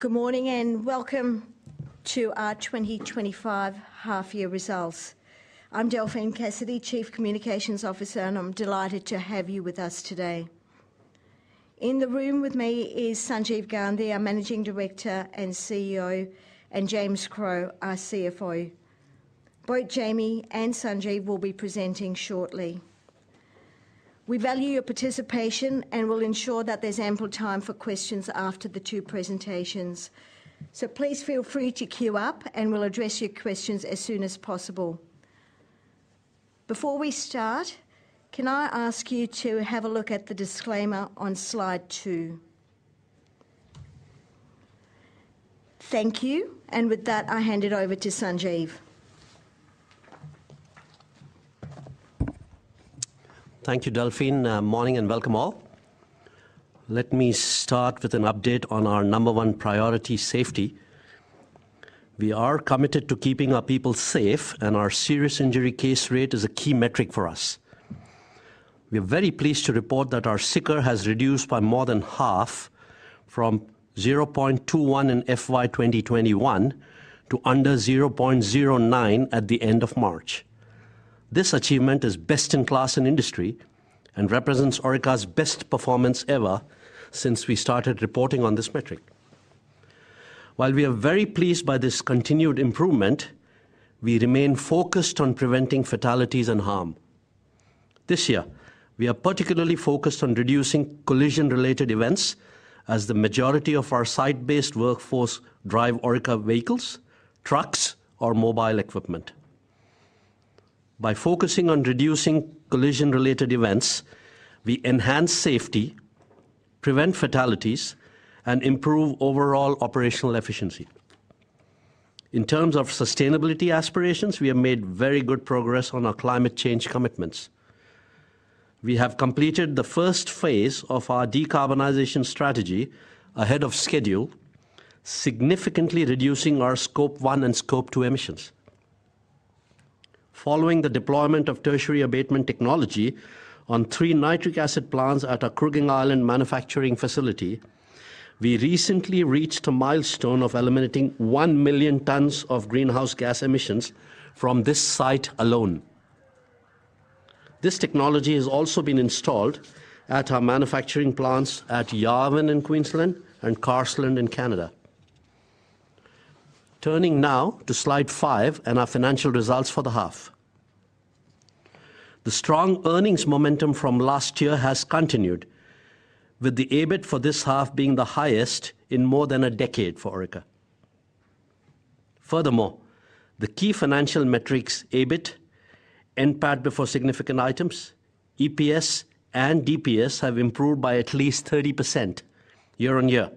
Good morning and welcome to our 2025 half-year results. I'm Delphine Cassidy, Chief Communications Officer, and I'm delighted to have you with us today. In the room with me is Sanjeev Gandhi, our Managing Director and CEO, and James Crough, our CFO. Both Jamie and Sanjeev will be presenting shortly. We value your participation and will ensure that there's ample time for questions after the two presentations. Please feel free to queue up, and we'll address your questions as soon as possible. Before we start, can I ask you to have a look at the disclaimer on slide two? Thank you. With that, I hand it over to Sanjeev. Thank you, Delphine. Morning and welcome all. Let me start with an update on our number one priority, safety. We are committed to keeping our people safe, and our serious injury case rate is a key metric for us. We are very pleased to report that our SICR has reduced by more than half, from 0.21 in FY 2021 to under 0.09 at the end of March. This achievement is best in class in industry and represents Orica's best performance ever since we started reporting on this metric. While we are very pleased by this continued improvement, we remain focused on preventing fatalities and harm. This year, we are particularly focused on reducing collision-related events, as the majority of our site-based workforce drive Orica vehicles, trucks, or mobile equipment. By focusing on reducing collision-related events, we enhance safety, prevent fatalities, and improve overall operational efficiency. In terms of sustainability aspirations, we have made very good progress on our climate change commitments. We have completed the first phase of our decarbonization strategy ahead of schedule, significantly reducing our Scope 1 and Scope 2 emissions. Following the deployment of tertiary abatement technology on three nitric acid plants at our Kooragang Island manufacturing facility, we recently reached a milestone of eliminating one million tonnes of greenhouse gas emissions from this site alone. This technology has also been installed at our manufacturing plants at Yarwun in Queensland and Carseland in Canada. Turning now to slide five and our financial results for the half. The strong earnings momentum from last year has continued, with the EBIT for this half being the highest in more than a decade for Orica. Furthermore, the key financial metrics, EBIT, NPAT before significant items, EPS, and DPS, have improved by at least 30% year-on-year,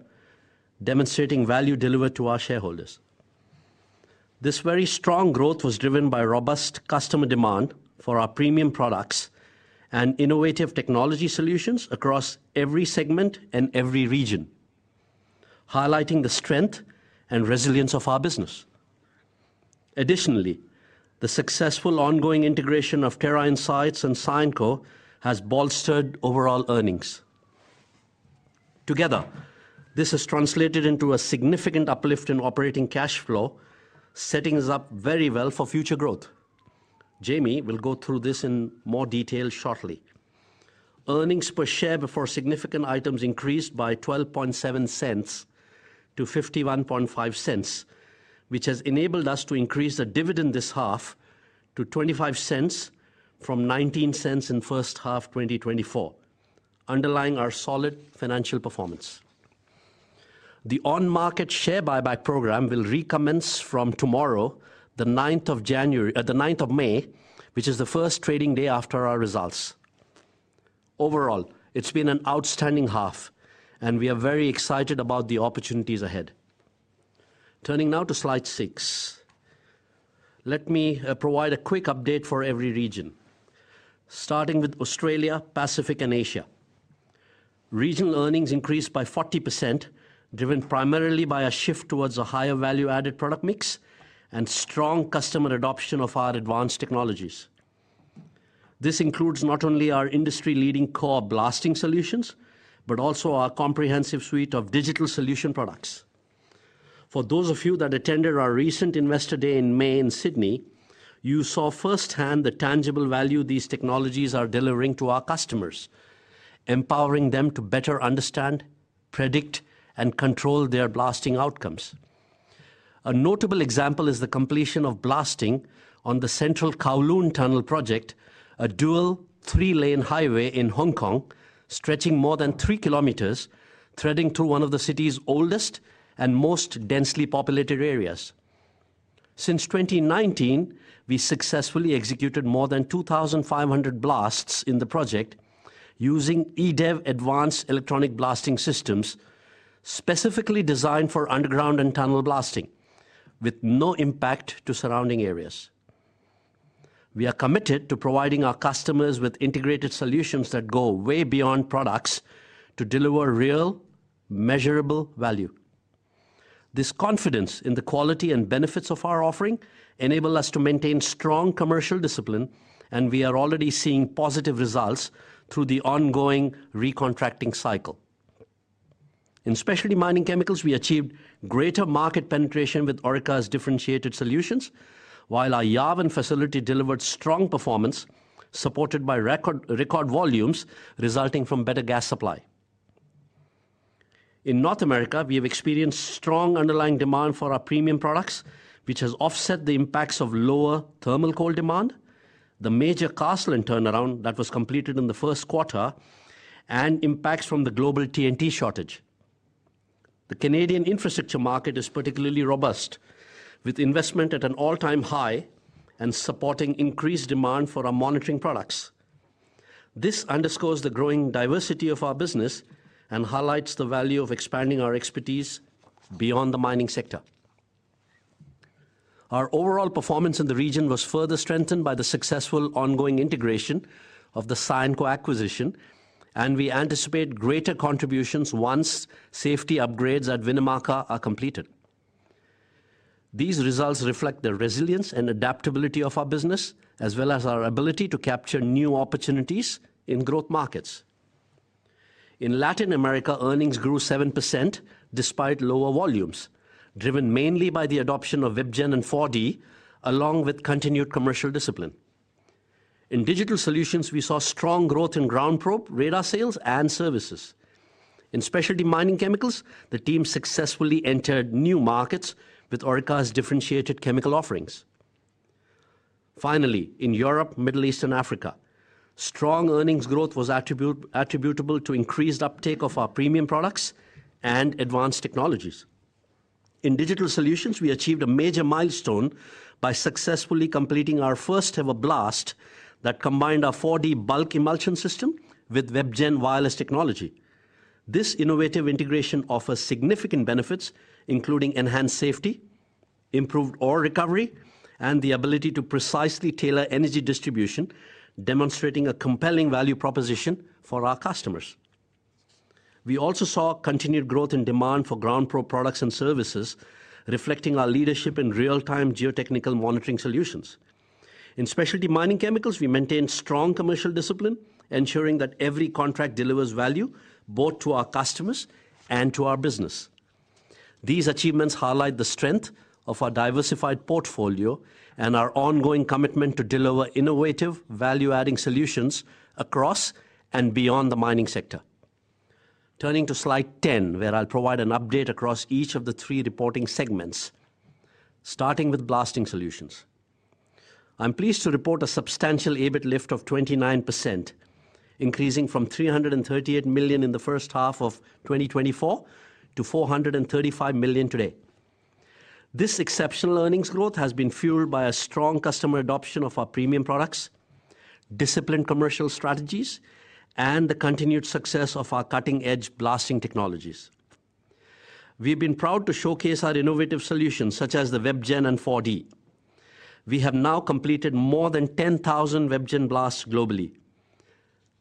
demonstrating value delivered to our shareholders. This very strong growth was driven by robust customer demand for our premium products and innovative technology solutions across every segment and every region, highlighting the strength and resilience of our business. Additionally, the successful ongoing integration of Terra Insights and Cyanco has bolstered overall earnings. Together, this has translated into a significant uplift in operating cash flow, setting us up very well for future growth. Jamie will go through this in more detail shortly. Earnings per share before significant items increased by 12.7 cents to 51.5 cents, which has enabled us to increase the dividend this half to 25 cents from 19 cents in the first half of 2024, underlying our solid financial performance. The on-market share buyback program will recommence from tomorrow, the 9th of May, which is the first trading day after our results. Overall, it's been an outstanding half, and we are very excited about the opportunities ahead. Turning now to slide six, let me provide a quick update for every region, starting with Australia, Pacific, and Asia. Regional earnings increased by 40%, driven primarily by a shift towards a higher value-added product mix and strong customer adoption of our advanced technologies. This includes not only our industry-leading core blasting solutions, but also our comprehensive suite of digital solution products. For those of you that attended our recent Investor Day in May in Sydney, you saw firsthand the tangible value these technologies are delivering to our customers, empowering them to better understand, predict, and control their blasting outcomes. A notable example is the completion of blasting on the Central Kowloon Tunnel project, a dual three-lane highway in Hong Kong stretching more than 3 kilometers, threading through one of the city's oldest and most densely populated areas. Since 2019, we successfully executed more than 2,500 blasts in the project using EDEV advanced electronic blasting systems specifically designed for underground and tunnel blasting, with no impact to surrounding areas. We are committed to providing our customers with integrated solutions that go way beyond products to deliver real, measurable value. This confidence in the quality and benefits of our offering enables us to maintain strong commercial discipline, and we are already seeing positive results through the ongoing recontracting cycle. In specialty mining chemicals, we achieved greater market penetration with Orica's differentiated solutions, while our Yarwun facility delivered strong performance supported by record volumes resulting from better gas supply. In North America, we have experienced strong underlying demand for our premium products, which has offset the impacts of lower thermal coal demand, the major Carseland turnaround that was completed in the first quarter, and impacts from the global TNT shortage. The Canadian infrastructure market is particularly robust, with investment at an all-time high and supporting increased demand for our monitoring products. This underscores the growing diversity of our business and highlights the value of expanding our expertise beyond the mining sector. Our overall performance in the region was further strengthened by the successful ongoing integration of the Cyanco acquisition, and we anticipate greater contributions once safety upgrades at Winnemucca are completed. These results reflect the resilience and adaptability of our business, as well as our ability to capture new opportunities in growth markets. In Latin America, earnings grew 7% despite lower volumes, driven mainly by the adoption of WebGen and 4D, along with continued commercial discipline. In digital solutions, we saw strong growth in GroundProbe radar sales, and services. In specialty mining chemicals, the team successfully entered new markets with Orica's differentiated chemical offerings. Finally, in Europe, Middle East, and Africa, strong earnings growth was attributable to increased uptake of our premium products and advanced technologies. In digital solutions, we achieved a major milestone by successfully completing our first-ever blast that combined our 4D bulk emulsion system with WebGen wireless technology. This innovative integration offers significant benefits, including enhanced safety, improved ore recovery, and the ability to precisely tailor energy distribution, demonstrating a compelling value proposition for our customers. We also saw continued growth in demand for GroundProbe products and services, reflecting our leadership in real-time geotechnical monitoring solutions. In specialty mining chemicals, we maintained strong commercial discipline, ensuring that every contract delivers value both to our customers and to our business. These achievements highlight the strength of our diversified portfolio and our ongoing commitment to deliver innovative value-adding solutions across and beyond the mining sector. Turning to slide 10, where I'll provide an update across each of the three reporting segments, starting with Blasting Solutions. I'm pleased to report a substantial EBIT lift of 29%, increasing from 338 million in the first half of 2024 to 435 million today. This exceptional earnings growth has been fueled by a strong customer adoption of our premium products, disciplined commercial strategies, and the continued success of our cutting-edge blasting technologies. We've been proud to showcase our innovative solutions, such as the WebGen and 4D. We have now completed more than 10,000 WebGen blasts globally.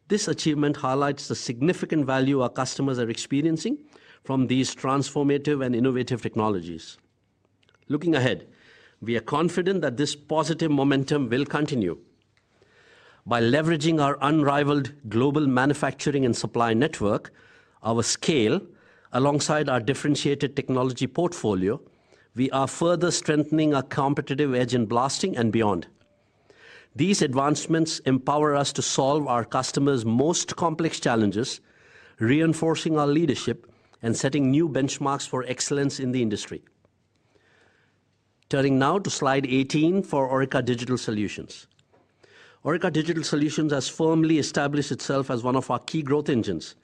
This achievement highlights the significant value our customers are experiencing from these transformative and innovative technologies. Looking ahead, we are confident that this positive momentum will continue. By leveraging our unrivaled global manufacturing and supply network, our scale, alongside our differentiated technology portfolio, we are further strengthening our competitive edge in blasting and beyond. These advancements empower us to solve our customers' most complex challenges, reinforcing our leadership and setting new benchmarks for excellence in the industry. Turning now to slide 18 for Orica Digital Solutions. Orica Digital Solutions has firmly established itself as one of our key growth engines,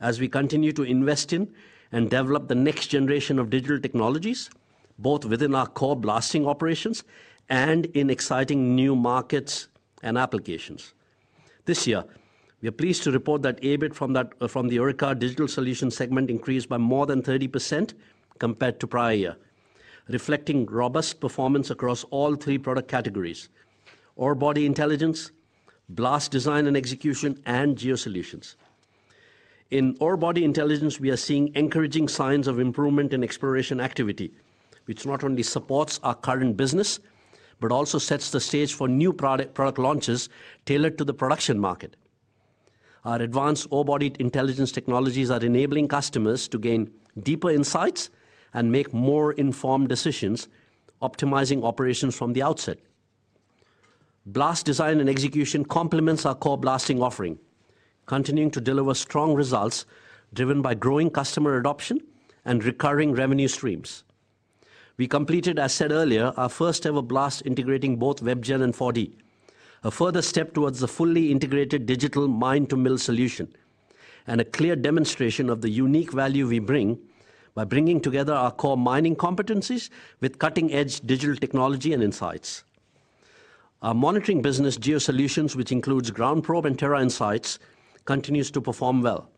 as we continue to invest in and develop the next generation of digital technologies, both within our core blasting operations and in exciting new markets and applications. This year, we are pleased to report that EBIT from the Orica Digital Solutions segment increased by more than 30% compared to the prior year, reflecting robust performance across all three product categories: Orebody Intelligence, Blast Design and Execution, and Geosolutions. In orebody intelligence, we are seeing encouraging signs of improvement in exploration activity, which not only supports our current business, but also sets the stage for new product launches tailored to the production market. Our advanced Orebody Intelligence technologies are enabling customers to gain deeper insights and make more informed decisions, optimizing operations from the outset. Blast Design and Execution complements our core blasting offering, continuing to deliver strong results driven by growing customer adoption and recurring revenue streams. We completed, as said earlier, our first-ever blast integrating both WebGen and 4D, a further step towards a fully integrated digital mine-to-mill solution and a clear demonstration of the unique value we bring by bringing together our core mining competencies with cutting-edge digital technology and insights. Our monitoring business Geosolutions, which includes GroundProbe and Terra Insights, continues to perform well.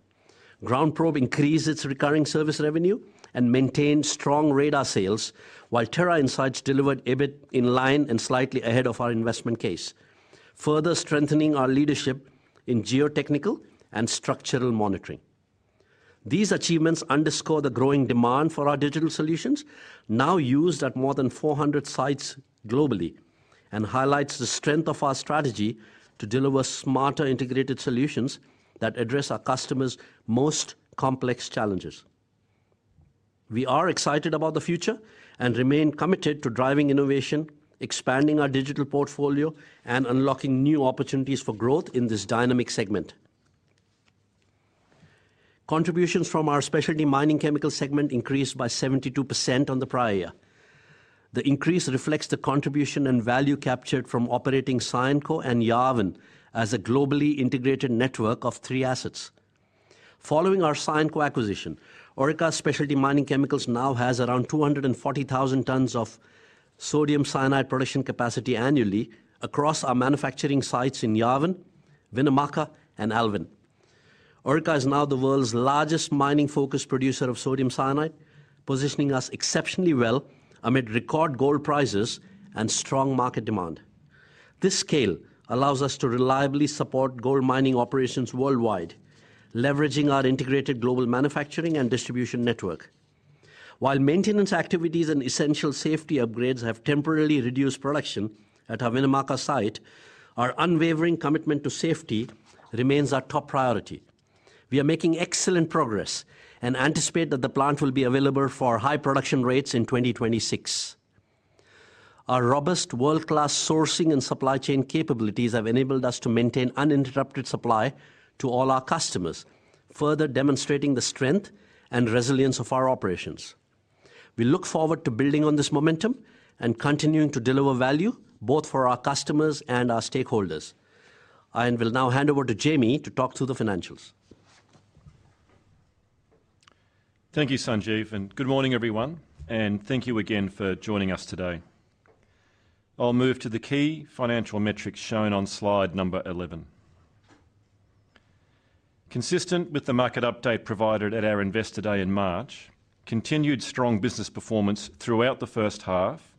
GroundProbe increased its recurring service revenue and maintained strong radar sales, while Terra Insights delivered EBIT in line and slightly ahead of our investment case, further strengthening our leadership in geotechnical and structural monitoring. These achievements underscore the growing demand for our digital solutions, now used at more than 400 sites globally, and highlight the strength of our strategy to deliver smarter integrated solutions that address our customers' most complex challenges. We are excited about the future and remain committed to driving innovation, expanding our digital portfolio, and unlocking new opportunities for growth in this dynamic segment. Contributions from our specialty mining chemical segment increased by 72% on the prior year. The increase reflects the contribution and value captured from operating Cyanco and Yarwun as a globally integrated network of three assets. Following our Cyanco acquisition, Orica Specialty Mining Chemicals now has around 240,000 tonnes of sodium cyanide production capacity annually across our manufacturing sites in Yarwun, Winnemucca, and Alvin. Orica is now the world's largest mining-focused producer of sodium cyanide, positioning us exceptionally well amid record gold prices and strong market demand. This scale allows us to reliably support gold mining operations worldwide, leveraging our integrated global manufacturing and distribution network. While maintenance activities and essential safety upgrades have temporarily reduced production at our Winnemucca site, our unwavering commitment to safety remains our top priority. We are making excellent progress and anticipate that the plant will be available for high production rates in 2026. Our robust world-class sourcing and supply chain capabilities have enabled us to maintain uninterrupted supply to all our customers, further demonstrating the strength and resilience of our operations. We look forward to building on this momentum and continuing to deliver value both for our customers and our stakeholders. I will now hand over to Jamie to talk through the financials. Thank you, Sanjeev, and good morning, everyone. Thank you again for joining us today. I'll move to the key financial metrics shown on slide number 11. Consistent with the market update provided at our Investor Day in March, continued strong business performance throughout the first half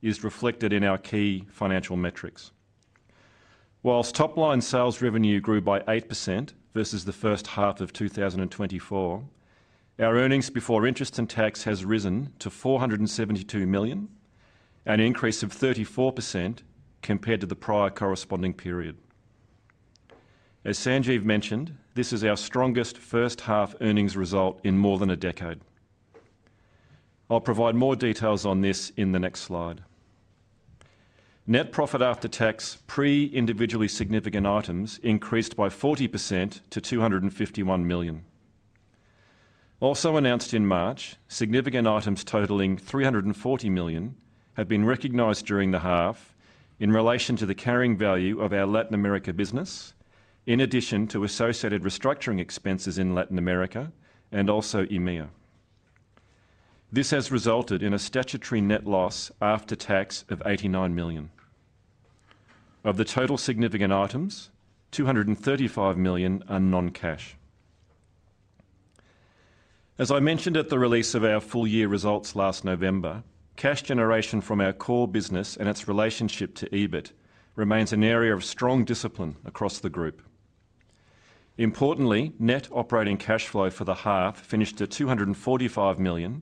is reflected in our key financial metrics. Whilst top-line sales revenue grew by 8% versus the first half of 2024, our earnings before interest and tax has risen to 472 million, an increase of 34% compared to the prior corresponding period. As Sanjeev mentioned, this is our strongest first-half earnings result in more than a decade. I'll provide more details on this in the next slide. Net profit after tax, pre-individually significant items increased by 40% to 251 million. Also announced in March, significant items totaling 340 million have been recognized during the half in relation to the carrying value of our Latin America business, in addition to associated restructuring expenses in Latin America and also EMEA. This has resulted in a statutory net loss after tax of 89 million. Of the total significant items, 235 million are non-cash. As I mentioned at the release of our full-year results last November, cash generation from our core business and its relationship to EBIT remains an area of strong discipline across the group. Importantly, net operating cash flow for the half finished at 245 million,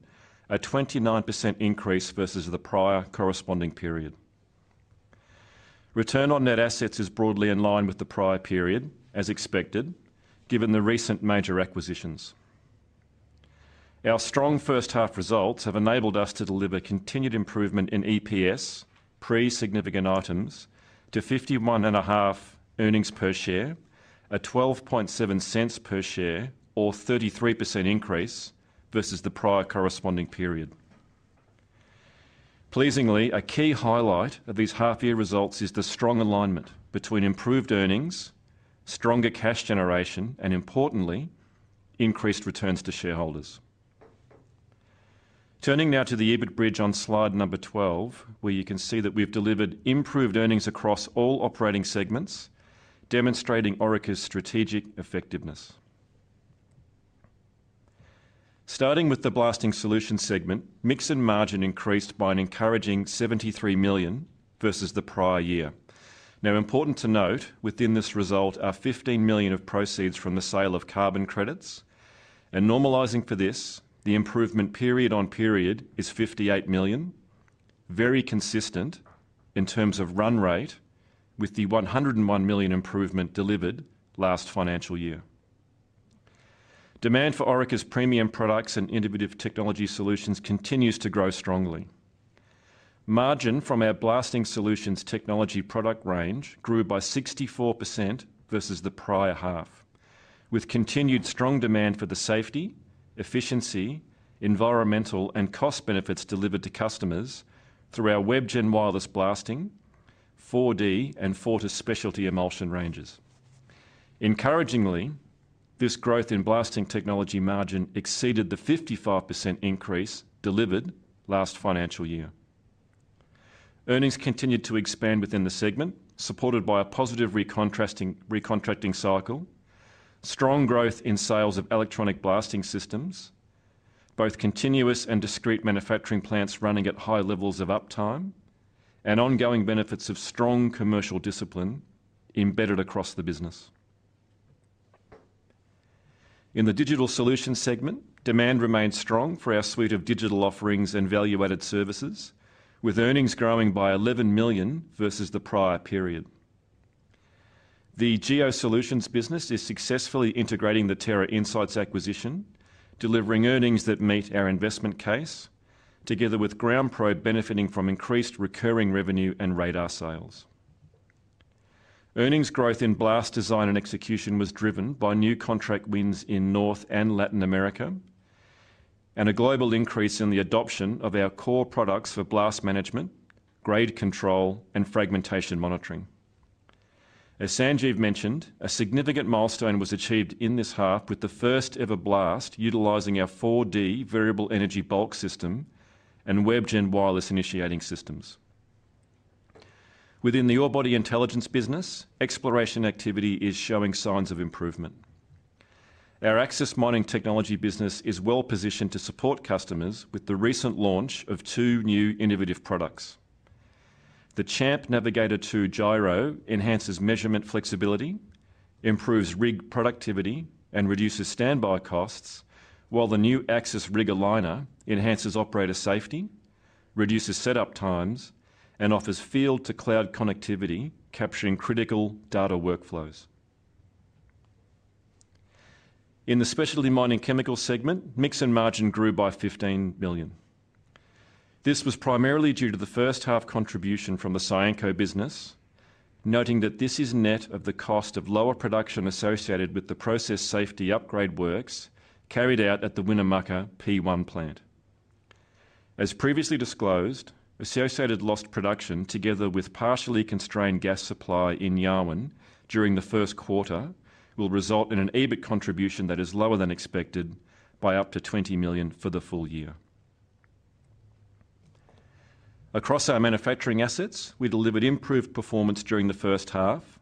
a 29% increase versus the prior corresponding period. Return on net assets is broadly in line with the prior period, as expected, given the recent major acquisitions. Our strong first-half results have enabled us to deliver continued improvement in EPS, pre-significant items, to 0.515 earnings per share, a 0.127 per share, or 33% increase versus the prior corresponding period. Pleasingly, a key highlight of these half-year results is the strong alignment between improved earnings, stronger cash generation, and importantly, increased returns to shareholders. Turning now to the EBIT bridge on slide number 12, where you can see that we've delivered improved earnings across all operating segments, demonstrating Orica's strategic effectiveness. Starting with the blasting solution segment, mix and margin increased by an encouraging 73 million versus the prior year. Now, important to note, within this result are 15 million of proceeds from the sale of carbon credits. Normalizing for this, the improvement period on period is 58 million, very consistent in terms of run rate, with the 101 million improvement delivered last financial year. Demand for Orica's premium products and innovative technology solutions continues to grow strongly. Margin from our blasting solutions technology product range grew by 64% versus the prior half, with continued strong demand for the safety, efficiency, environmental, and cost benefits delivered to customers through our WebGen wireless blasting, 4D, and Fortis specialty emulsion ranges. Encouragingly, this growth in blasting technology margin exceeded the 55% increase delivered last financial year. Earnings continued to expand within the segment, supported by a positive recontracting cycle, strong growth in sales of electronic blasting systems, both continuous and discrete manufacturing plants running at high levels of uptime, and ongoing benefits of strong commercial discipline embedded across the business. In the digital solutions segment, demand remained strong for our suite of digital offerings and value-added services, with earnings growing by 11 million versus the prior period. The Geosolutions business is successfully integrating the Terra Insights acquisition, delivering earnings that meet our investment case, together with GroundProbe benefiting from increased recurring revenue and radar sales. Earnings growth in Blast Design and Execution was driven by new contract wins in North and Latin America, and a global increase in the adoption of our core products for blast management, grade control, and fragmentation monitoring. As Sanjeev mentioned, a significant milestone was achieved in this half with the first-ever blast utilizing our 4D variable energy bulk system and WebGen wireless initiating systems. Within the Orebody Intelligence business, exploration activity is showing signs of improvement. Our access mining technology business is well positioned to support customers with the recent launch of two new innovative products. The Champ Navigator 2 Gyro enhances measurement flexibility, improves rig productivity, and reduces standby costs, while the new Access Rig Aligner enhances operator safety, reduces setup times, and offers field-to-cloud connectivity, capturing critical data workflows. In the specialty mining chemical segment, mix and margin grew by 15 million. This was primarily due to the first-half contribution from the Cyanco business, noting that this is net of the cost of lower production associated with the process safety upgrade works carried out at the Winnemucca P1 plant. As previously disclosed, associated lost production, together with partially constrained gas supply in Yarwun during the first quarter, will result in an EBIT contribution that is lower than expected by up to 20 million for the full year. Across our manufacturing assets, we delivered improved performance during the first half,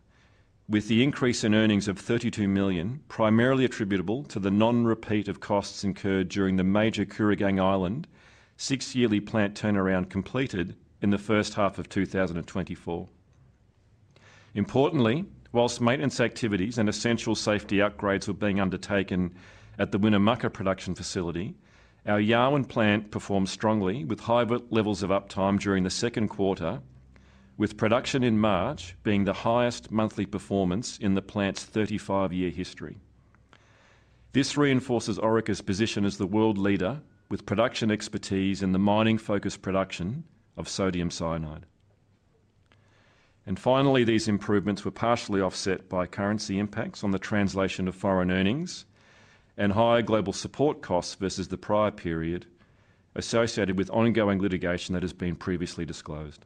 with the increase in earnings of 32 million primarily attributable to the non-repeat of costs incurred during the major Kooragang Island six-yearly plant turnaround completed in the first half of 2024. Importantly, whilst maintenance activities and essential safety upgrades were being undertaken at the Winnemucca production facility, our Yarwun plant performed strongly with high levels of uptime during the second quarter, with production in March being the highest monthly performance in the plant's 35-year history. This reinforces Orica's position as the world leader with production expertise in the mining-focused production of sodium cyanide. Finally, these improvements were partially offset by currency impacts on the translation of foreign earnings and higher global support costs versus the prior period, associated with ongoing litigation that has been previously disclosed.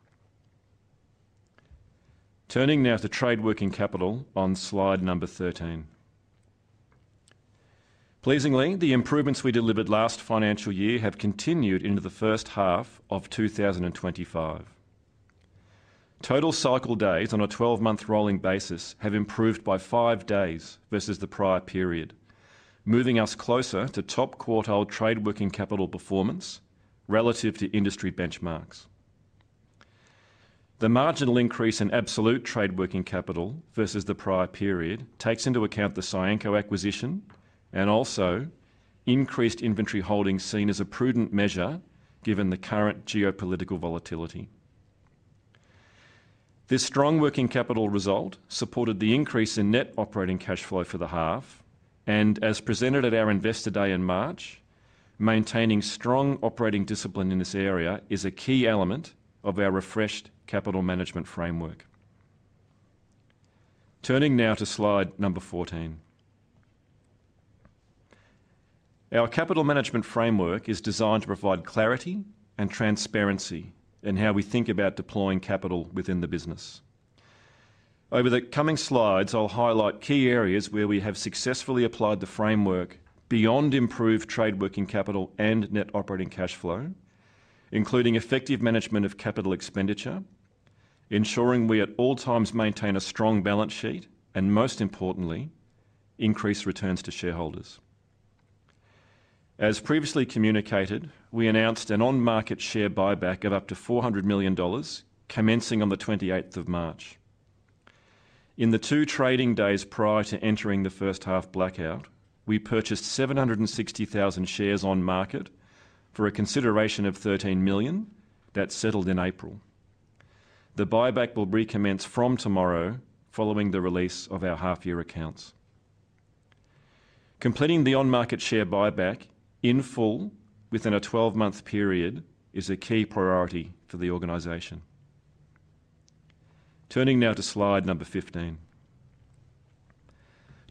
Turning now to trade working capital on slide number 13. Pleasingly, the improvements we delivered last financial year have continued into the first half of 2025. Total cycle days on a 12-month rolling basis have improved by five days versus the prior period, moving us closer to top quartile trade working capital performance relative to industry benchmarks. The marginal increase in absolute trade working capital versus the prior period takes into account the Cyanco acquisition and also increased inventory holdings seen as a prudent measure given the current geopolitical volatility. This strong working capital result supported the increase in net operating cash flow for the half, and as presented at our Investor Day in March, maintaining strong operating discipline in this area is a key element of our refreshed capital management framework. Turning now to slide number 14. Our capital management framework is designed to provide clarity and transparency in how we think about deploying capital within the business. Over the coming slides, I'll highlight key areas where we have successfully applied the framework beyond improved trade working capital and net operating cash flow, including effective management of capital expenditure, ensuring we at all times maintain a strong balance sheet, and most importantly, increased returns to shareholders. As previously communicated, we announced an on-market share buyback of up to 400 million dollars, commencing on the 28th of March. In the two trading days prior to entering the first-half blackout, we purchased 760,000 shares on market for a consideration of 13 million that settled in April. The buyback will recommence from tomorrow following the release of our half-year accounts. Completing the on-market share buyback in full within a 12-month period is a key priority for the organization. Turning now to slide number 15.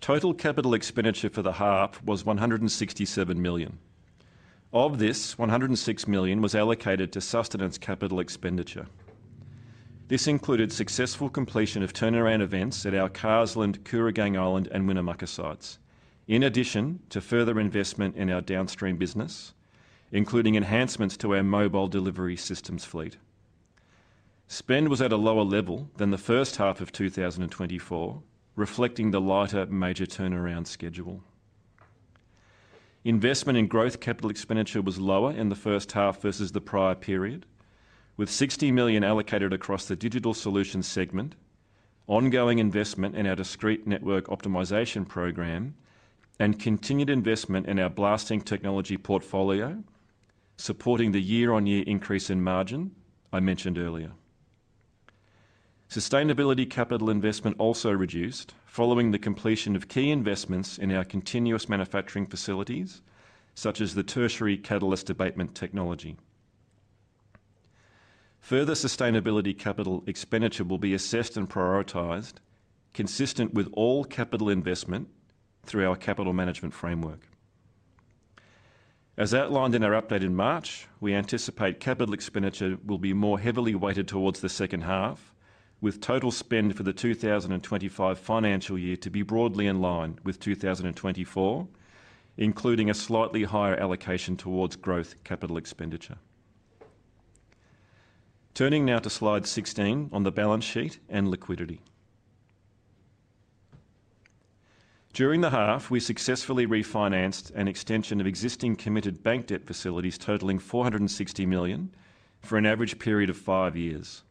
Total capital expenditure for the half was 167 million. Of this, 106 million was allocated to sustenance capital expenditure. This included successful completion of turnaround events at our Carseland, Kooragang Island, and Winnemucca sites, in addition to further investment in our downstream business, including enhancements to our mobile delivery systems fleet. Spend was at a lower level than the first half of 2024, reflecting the lighter major turnaround schedule. Investment in growth capital expenditure was lower in the first half versus the prior period, with 60 million allocated across the digital solutions segment, ongoing investment in our discrete network optimization program, and continued investment in our blasting technology portfolio, supporting the year-on-year increase in margin I mentioned earlier. Sustainability capital investment also reduced following the completion of key investments in our continuous manufacturing facilities, such as the tertiary abatement technology. Further sustainability capital expenditure will be assessed and prioritized, consistent with all capital investment through our capital management framework. As outlined in our update in March, we anticipate capital expenditure will be more heavily weighted towards the second half, with total spend for the 2025 financial year to be broadly in line with 2024, including a slightly higher allocation towards growth capital expenditure. Turning now to slide 16 on the balance sheet and liquidity. During the half, we successfully refinanced an extension of existing committed bank debt facilities totaling 460 million for an average period of five years.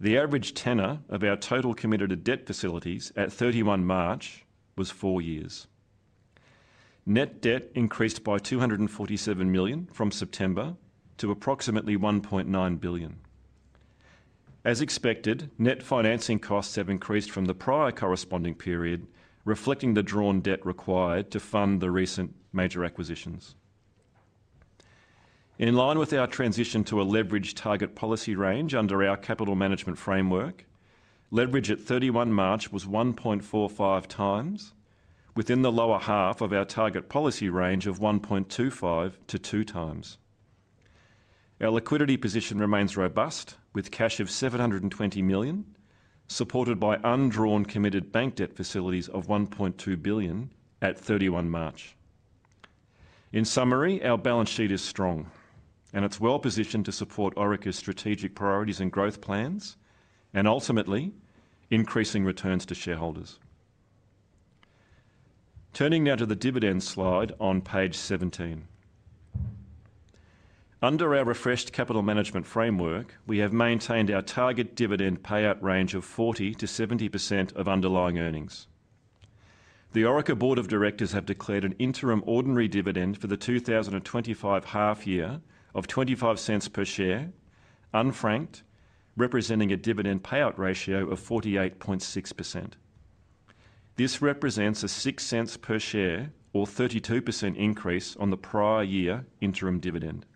The average tenor of our total committed debt facilities at 31 March was four years. Net debt increased by 247 million from September to approximately 1.9 billion. As expected, net financing costs have increased from the prior corresponding period, reflecting the drawn debt required to fund the recent major acquisitions. In line with our transition to a leveraged target policy range under our capital management framework, leverage at 31 March was 1.45 times, within the lower half of our target policy range of 1.25-2 times. Our liquidity position remains robust, with cash of 720 million, supported by undrawn committed bank debt facilities of 1.2 billion at 31 March. In summary, our balance sheet is strong, and it's well positioned to support Orica's strategic priorities and growth plans, and ultimately, increasing returns to shareholders. Turning now to the dividend slide on page 17. Under our refreshed capital management framework, we have maintained our target dividend payout range of 40%-70% of underlying earnings. The Orica Board of Directors have declared an interim ordinary dividend for the 2025 half-year of 0.25 per share, unfranked, representing a dividend payout ratio of 48.6%. This represents a 6 cents per share, or 32% increase on the prior year interim dividend.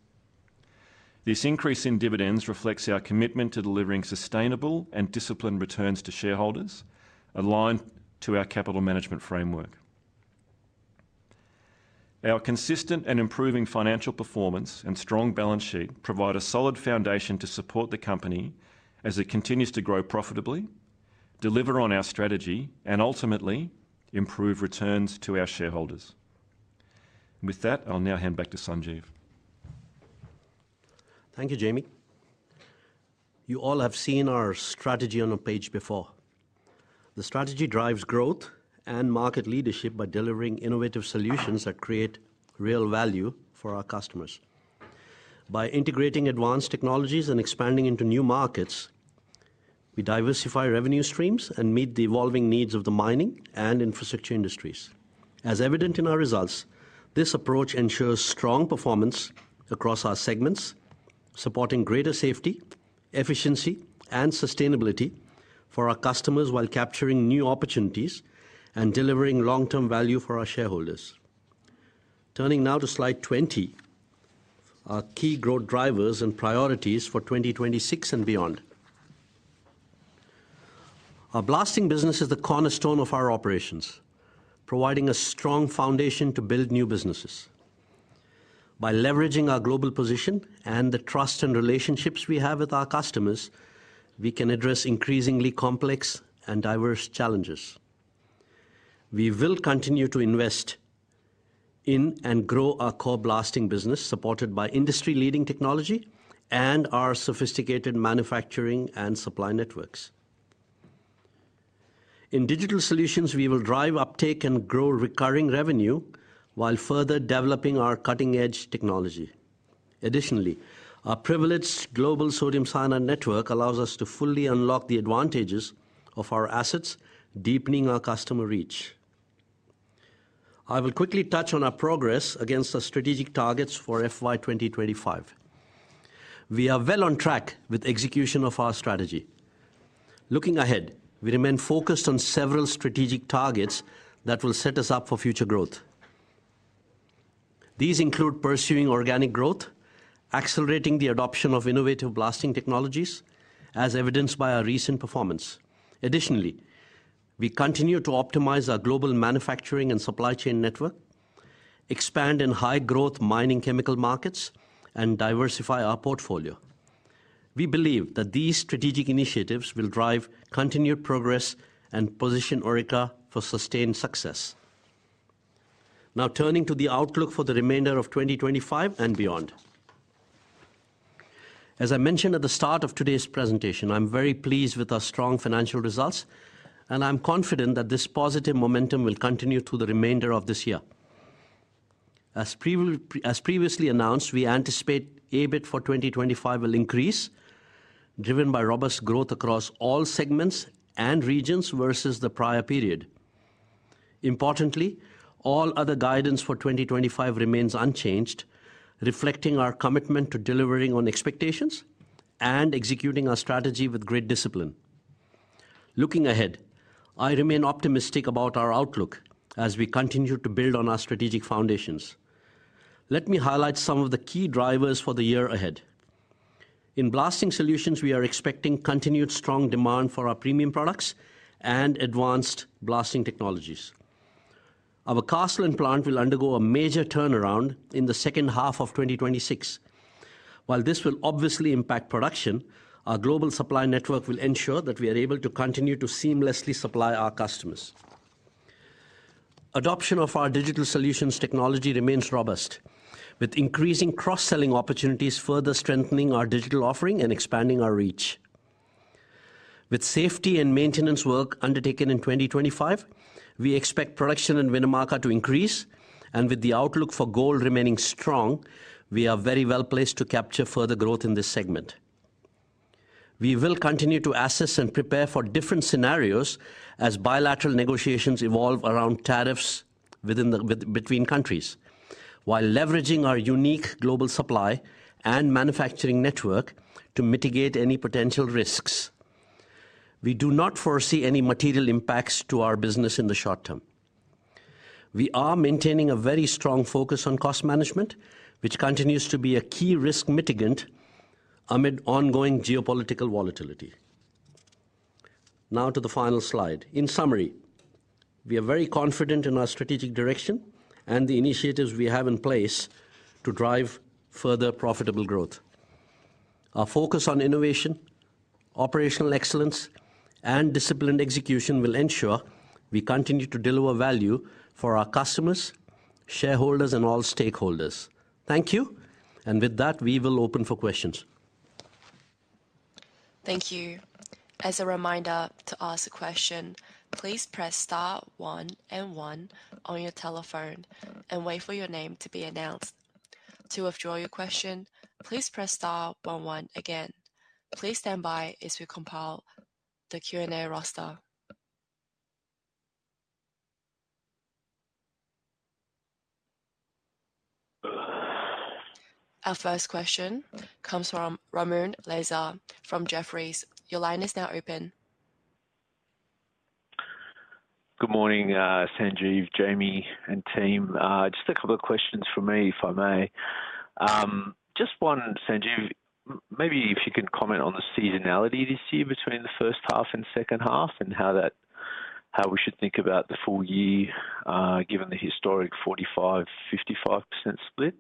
This increase in dividends reflects our commitment to delivering sustainable and disciplined returns to shareholders, aligned to our capital management framework. Our consistent and improving financial performance and strong balance sheet provide a solid foundation to support the company as it continues to grow profitably, deliver on our strategy, and ultimately, improve returns to our shareholders. With that, I'll now hand back to Sanjeev. Thank you, Jamie. You all have seen our strategy on a page before. The strategy drives growth and market leadership by delivering innovative solutions that create real value for our customers. By integrating advanced technologies and expanding into new markets, we diversify revenue streams and meet the evolving needs of the mining and infrastructure industries. As evident in our results, this approach ensures strong performance across our segments, supporting greater safety, efficiency, and sustainability for our customers while capturing new opportunities and delivering long-term value for our shareholders. Turning now to slide 20, our key growth drivers and priorities for 2026 and beyond. Our blasting business is the cornerstone of our operations, providing a strong foundation to build new businesses. By leveraging our global position and the trust and relationships we have with our customers, we can address increasingly complex and diverse challenges. We will continue to invest in and grow our core blasting business, supported by industry-leading technology and our sophisticated manufacturing and supply networks. In digital solutions, we will drive uptake and grow recurring revenue while further developing our cutting-edge technology. Additionally, our privileged global sodium cyanide network allows us to fully unlock the advantages of our assets, deepening our customer reach. I will quickly touch on our progress against our strategic targets for FY 2025. We are well on track with execution of our strategy. Looking ahead, we remain focused on several strategic targets that will set us up for future growth. These include pursuing organic growth, accelerating the adoption of innovative blasting technologies, as evidenced by our recent performance. Additionally, we continue to optimize our global manufacturing and supply chain network, expand in high-growth mining chemical markets, and diversify our portfolio. We believe that these strategic initiatives will drive continued progress and position Orica for sustained success. Now, turning to the outlook for the remainder of 2025 and beyond. As I mentioned at the start of today's presentation, I'm very pleased with our strong financial results, and I'm confident that this positive momentum will continue through the remainder of this year. As previously announced, we anticipate EBIT for 2025 will increase, driven by robust growth across all segments and regions versus the prior period. Importantly, all other guidance for 2025 remains unchanged, reflecting our commitment to delivering on expectations and executing our strategy with great discipline. Looking ahead, I remain optimistic about our outlook as we continue to build on our strategic foundations. Let me highlight some of the key drivers for the year ahead. In blasting solutions, we are expecting continued strong demand for our premium products and advanced blasting technologies. Our Carseland plant will undergo a major turnaround in the second half of 2026. While this will obviously impact production, our global supply network will ensure that we are able to continue to seamlessly supply our customers. Adoption of our digital solutions technology remains robust, with increasing cross-selling opportunities further strengthening our digital offering and expanding our reach. With safety and maintenance work undertaken in 2025, we expect production in Winnemucca to increase, and with the outlook for gold remaining strong, we are very well placed to capture further growth in this segment. We will continue to assess and prepare for different scenarios as bilateral negotiations evolve around tariffs between countries, while leveraging our unique global supply and manufacturing network to mitigate any potential risks. We do not foresee any material impacts to our business in the short term. We are maintaining a very strong focus on cost management, which continues to be a key risk mitigant amid ongoing geopolitical volatility. Now to the final slide. In summary, we are very confident in our strategic direction and the initiatives we have in place to drive further profitable growth. Our focus on innovation, operational excellence, and disciplined execution will ensure we continue to deliver value for our customers, shareholders, and all stakeholders. Thank you, and with that, we will open for questions. Thank you. As a reminder to ask a question, please press star one and one on your telephone and wait for your name to be announced. To withdraw your question, please press star one one again. Please stand by as we compile the Q&A roster. Our first question comes from Ramoun Lazar from Jefferies. Your line is now open. Good morning, Sanjeev, Jamie, and team. Just a couple of questions for me, if I may. Just one, Sanjeev, maybe if you can comment on the seasonality this year between the first half and second half and how we should think about the full year given the historic 45%-55% split?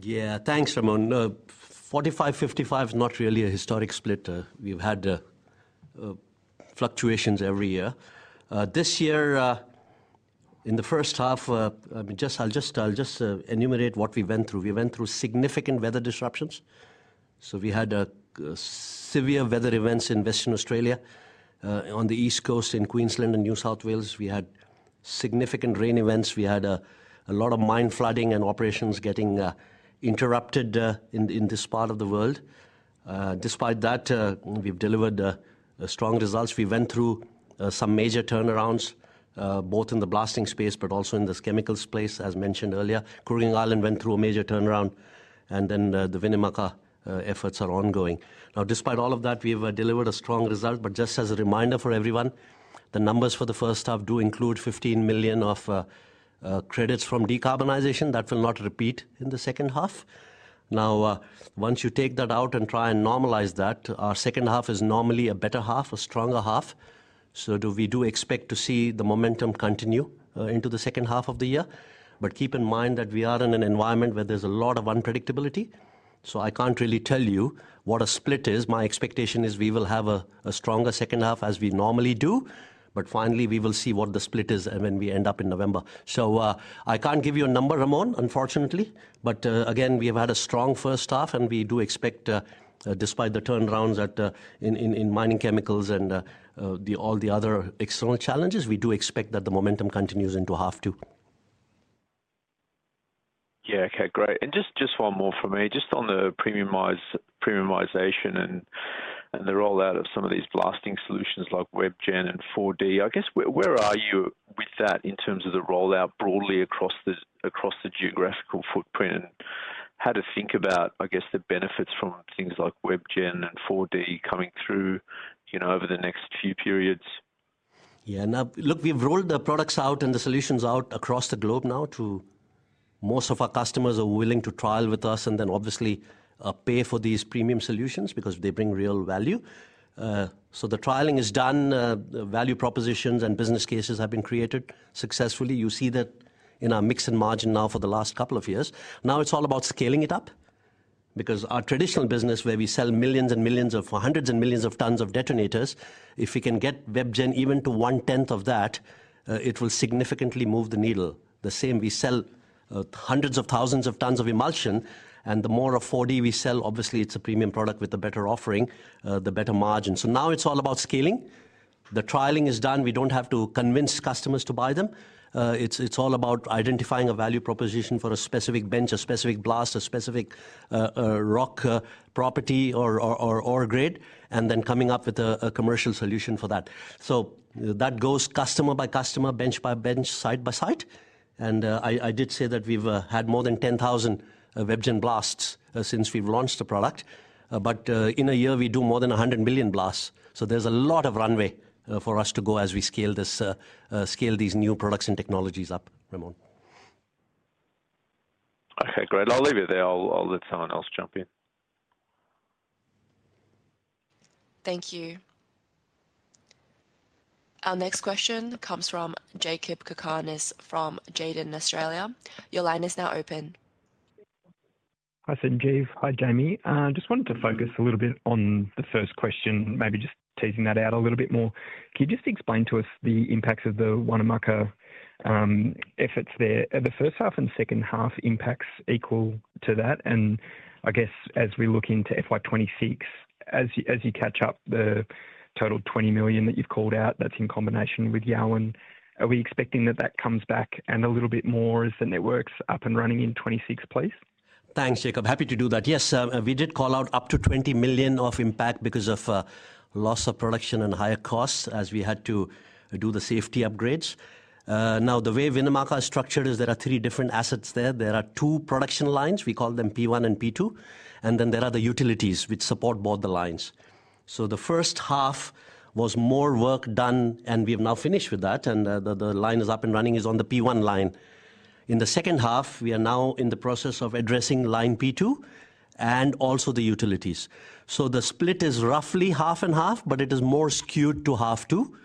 Yeah, thanks, Ramoun. 45%-55% is not really a historic split. We've had fluctuations every year. This year, in the first half, I'll just enumerate what we went through. We went through significant weather disruptions. We had severe weather events in Western Australia. On the east coast, in Queensland and New South Wales, we had significant rain events. We had a lot of mine flooding and operations getting interrupted in this part of the world. Despite that, we've delivered strong results. We went through some major turnarounds, both in the blasting space, but also in the chemical space, as mentioned earlier. Kooragang Island went through a major turnaround, and then the Winnemucca efforts are ongoing. Despite all of that, we've delivered a strong result. Just as a reminder for everyone, the numbers for the first half do include 15 million of credits from decarbonization. That will not repeat in the second half. Now, once you take that out and try and normalize that, our second half is normally a better half, a stronger half. We do expect to see the momentum continue into the second half of the year. Keep in mind that we are in an environment where there's a lot of unpredictability. I can't really tell you what a split is. My expectation is we will have a stronger second half as we normally do. Finally, we will see what the split is when we end up in November. I can't give you a number, Ramoun, unfortunately. Again, we have had a strong first half, and we do expect, despite the turnarounds in mining chemicals and all the other external challenges, we do expect that the momentum continues into half two. Yeah, okay, great. Just one more from me, just on the premiumization and the rollout of some of these blasting solutions like WebGen and 4D. I guess, where are you with that in terms of the rollout broadly across the geographical footprint and how to think about, I guess, the benefits from things like WebGen and 4D coming through over the next few periods? Yeah, now, look, we've rolled the products out and the solutions out across the globe now to most of our customers who are willing to trial with us and then obviously pay for these premium solutions because they bring real value. The trialing is done. Value propositions and business cases have been created successfully. You see that in our mix and margin now for the last couple of years. Now it's all about scaling it up because our traditional business, where we sell millions and millions of hundreds and millions of tonnes of detonators, if we can get WebGen even to one-tenth of that, it will significantly move the needle. The same, we sell hundreds of thousands of tonnes of emulsion, and the more of 4D we sell, obviously, it's a premium product with a better offering, the better margin. Now it's all about scaling. The trialing is done. We do not have to convince customers to buy them. It's all about identifying a value proposition for a specific bench, a specific blast, a specific rock property or grade, and then coming up with a commercial solution for that. That goes customer by customer, bench by bench, side by side. I did say that we've had more than 10,000 WebGen blasts since we've launched the product. In a year, we do more than 100 million blasts. There is a lot of runway for us to go as we scale these new products and technologies up, Ramoun. Okay, great. I'll leave it there. I'll let someone else jump in. Thank you. Our next question comes from Jakob Cakarnis from Jarden Australia. Your line is now open. Hi, Sanjeev. Hi, Jamie. I just wanted to focus a little bit on the first question, maybe just teasing that out a little bit more. Can you just explain to us the impacts of the Winnemucca efforts there? Are the first half and second half impacts equal to that? I guess, as we look into FY 2026, as you catch up the total 20 million that you've called out, that's in combination with Yarwun, are we expecting that that comes back and a little bit more as the network's up and running in 2026 place? Thanks, Jacob. Happy to do that. Yes, we did call out up to 20 million of impact because of loss of production and higher costs as we had to do the safety upgrades. Now, the way Winnemucca is structured is there are three different assets there. There are two production lines. We call them P1 and P2. And then there are the utilities which support both the lines. The first half was more work done, and we have now finished with that. The line that is up and running is on the P1 line. In the second half, we are now in the process of addressing line P2 and also the utilities. The split is roughly half and half, but it is more skewed to half two.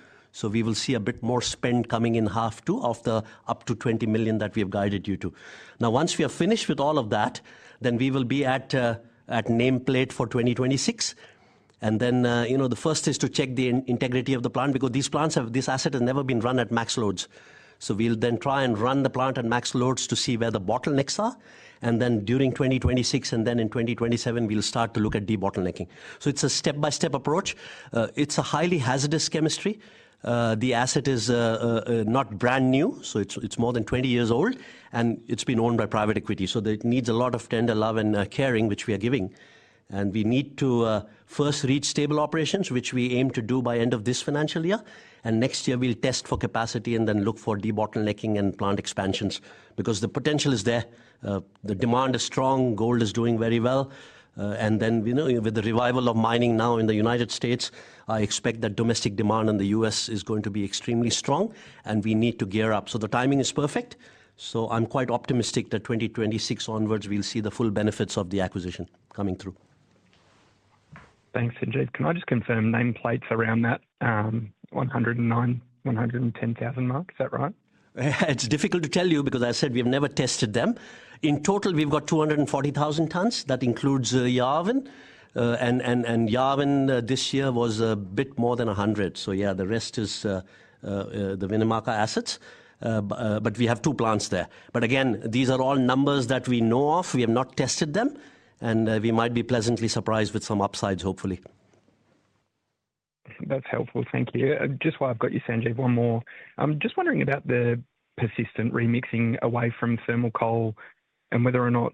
We will see a bit more spend coming in half two of the up to 20 million that we have guided you to. Once we are finished with all of that, we will be at nameplate for 2026. The first is to check the integrity of the plant because this asset has never been run at max loads. We will then try and run the plant at max loads to see where the bottlenecks are. During 2026 and then in 2027, we will start to look at debottlenecking. It is a step-by-step approach. It is a highly hazardous chemistry. The asset is not brand new. It is more than 20 years old, and it has been owned by private equity. It needs a lot of tender, love, and caring, which we are giving. We need to first reach stable operations, which we aim to do by the end of this financial year. Next year, we will test for capacity and then look for debottlenecking and plant expansions because the potential is there. The demand is strong. Gold is doing very well. With the revival of mining now in the United States, I expect that domestic demand in the U.S. is going to be extremely strong, and we need to gear up. The timing is perfect. I am quite optimistic that 2026 onwards, we will see the full benefits of the acquisition coming through. Thanks, Sanjeev. Can I just confirm nameplates around that 109,000-110,000 mark, is that right? It's difficult to tell you because I said we have never tested them. In total, we've got 240,000 tonnes. That includes Yarwun. And Yarwun this year was a bit more than 100. Yeah, the rest is the Winnemucca assets. We have two plants there. Again, these are all numbers that we know of. We have not tested them, and we might be pleasantly surprised with some upsides, hopefully. That's helpful. Thank you. Just while I've got you, Sanjeev, one more. I'm just wondering about the persistent remixing away from thermal coal and whether or not,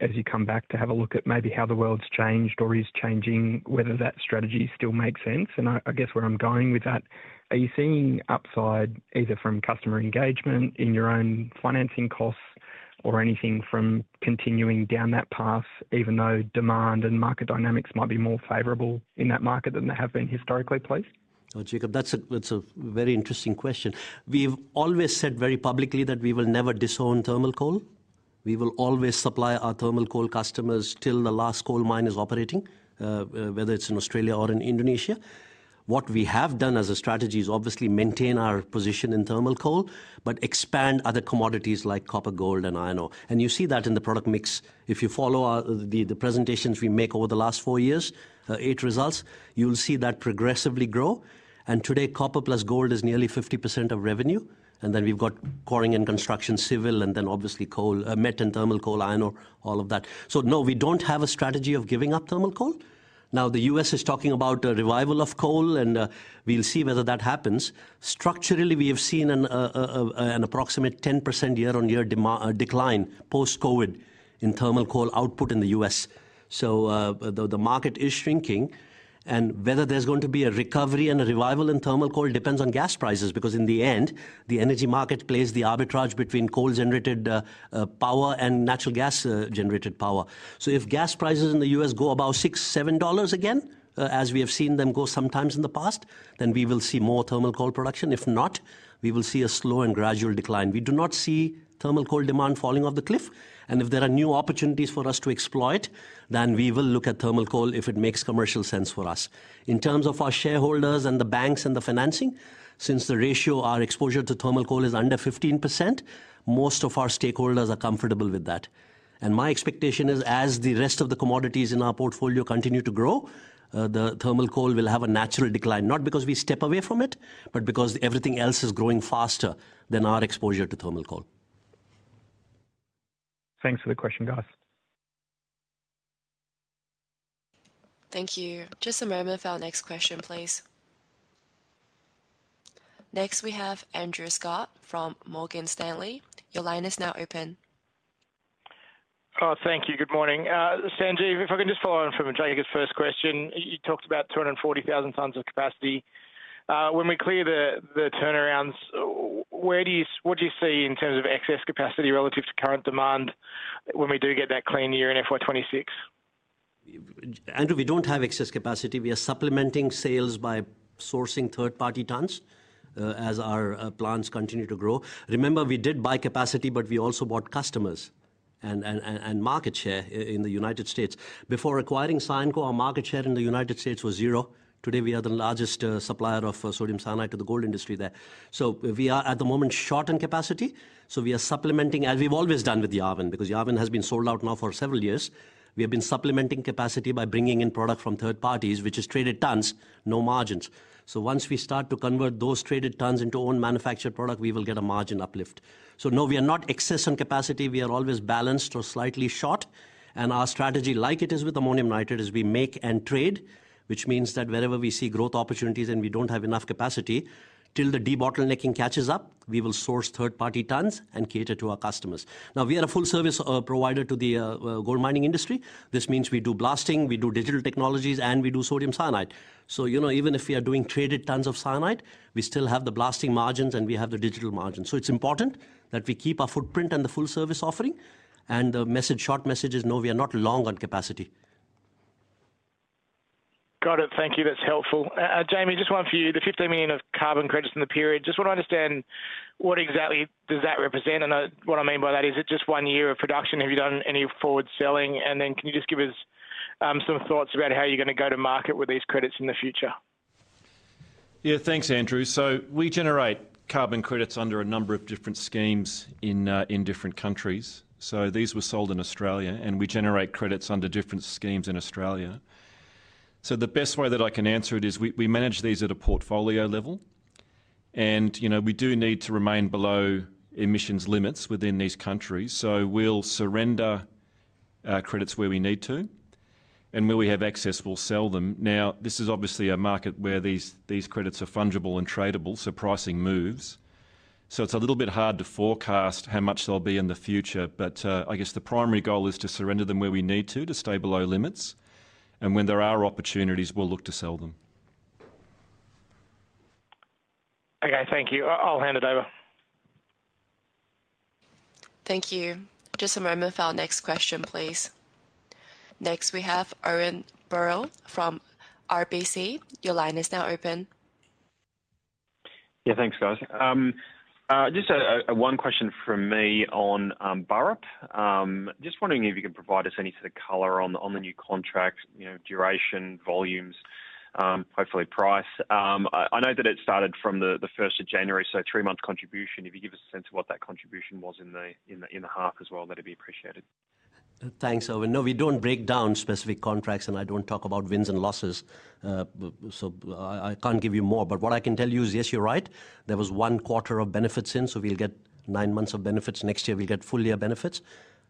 as you come back to have a look at maybe how the world's changed or is changing, whether that strategy still makes sense. I guess where I'm going with that, are you seeing upside either from customer engagement in your own financing costs or anything from continuing down that path, even though demand and market dynamics might be more favorable in that market than they have been historically, please? Jacob, that's a very interesting question. We've always said very publicly that we will never disown thermal coal. We will always supply our thermal coal customers till the last coal mine is operating, whether it's in Australia or in Indonesia. What we have done as a strategy is obviously maintain our position in thermal coal, but expand other commodities like copper, gold, and iron ore. You see that in the product mix. If you follow the presentations we make over the last four years, eight results, you'll see that progressively grow. Today, copper plus gold is nearly 50% of revenue. We have coring and construction, civil, and then obviously coal, met and thermal coal, iron ore, all of that. No, we do not have a strategy of giving up thermal coal. The U.S. is talking about a revival of coal, and we will see whether that happens. Structurally, we have seen an approximate 10% year-on-year decline post-COVID in thermal coal output in the U.S. The market is shrinking. Whether there is going to be a recovery and a revival in thermal coal depends on gas prices because in the end, the energy market plays the arbitrage between coal-generated power and natural gas-generated power. If gas prices in the U.S. go above $6-$7 again, as we have seen them go sometimes in the past, then we will see more thermal coal production. If not, we will see a slow and gradual decline. We do not see thermal coal demand falling off the cliff. If there are new opportunities for us to exploit, then we will look at thermal coal if it makes commercial sense for us. In terms of our shareholders and the banks and the financing, since the ratio, our exposure to thermal coal is under 15%, most of our stakeholders are comfortable with that. My expectation is, as the rest of the commodities in our portfolio continue to grow, the thermal coal will have a natural decline, not because we step away from it, but because everything else is growing faster than our exposure to thermal coal. Thanks for the question, guys. Thank you. Just a moment for our next question, please. Next, we have Andrew Scott from Morgan Stanley. Your line is now open. Thank you. Good morning. Sanjeev, if I can just follow on from Jacob's first question, you talked about 240,000 tonnes of capacity. When we clear the turnarounds, what do you see in terms of excess capacity relative to current demand when we do get that clean year in FY 2026? Andrew, we do not have excess capacity. We are supplementing sales by sourcing third-party tonnes as our plants continue to grow. Remember, we did buy capacity, but we also bought customers and market share in the United States. Before acquiring Cyanco, our market share in the United States was zero. Today, we are the largest supplier of sodium cyanide to the gold industry there. We are at the moment short on capacity. We are supplementing, as we have always done with Yarwun, because Yarwun has been sold out now for several years. We have been supplementing capacity by bringing in product from third parties, which is traded tonnes, no margins. Once we start to convert those traded tonnes into own manufactured product, we will get a margin uplift. No, we are not excess on capacity. We are always balanced or slightly short. Our strategy, like it is with ammonium nitrate, is we make and trade, which means that wherever we see growth opportunities and we do not have enough capacity, till the debottlenecking catches up, we will source third-party tonnes and cater to our customers. We are a full-service provider to the gold mining industry. This means we do blasting, we do digital technologies, and we do sodium cyanide. Even if we are doing traded tonnes of cyanide, we still have the blasting margins and we have the digital margins. It is important that we keep our footprint and the full-service offering. The short message is no, we are not long on capacity. Got it. Thank you. That is helpful. Jamie, just one for you. The 15 million of carbon credits in the period, just want to understand what exactly does that represent. What I mean by that, is it just one year of production? Have you done any forward selling? Can you just give us some thoughts about how you are going to go to market with these credits in the future? Yeah, thanks, Andrew. We generate carbon credits under a number of different schemes in different countries. These were sold in Australia, and we generate credits under different schemes in Australia. The best way that I can answer it is we manage these at a portfolio level. We do need to remain below emissions limits within these countries. We'll surrender our credits where we need to. Where we have access, we'll sell them. This is obviously a market where these credits are fungible and tradable, so pricing moves. It's a little bit hard to forecast how much they'll be in the future. I guess the primary goal is to surrender them where we need to, to stay below limits. When there are opportunities, we'll look to sell them. Okay, thank you. I'll hand it over. Thank you. Just a moment for our next question, please. Next, we have Owen Birrell from RBC. Your line is now open. Yeah, thanks, guys. Just one question from me on Burrup. Just wondering if you can provide us any sort of color on the new contract, duration, volumes, hopefully price. I know that it started from the 1st of January, so three-month contribution. If you give us a sense of what that contribution was in the half as well, that'd be appreciated. Thanks, Owen. No, we do not break down specific contracts, and I do not talk about wins and losses. I cannot give you more. What I can tell you is, yes, you are right. There was one quarter of benefits in. We will get nine months of benefits. Next year, we will get full year benefits.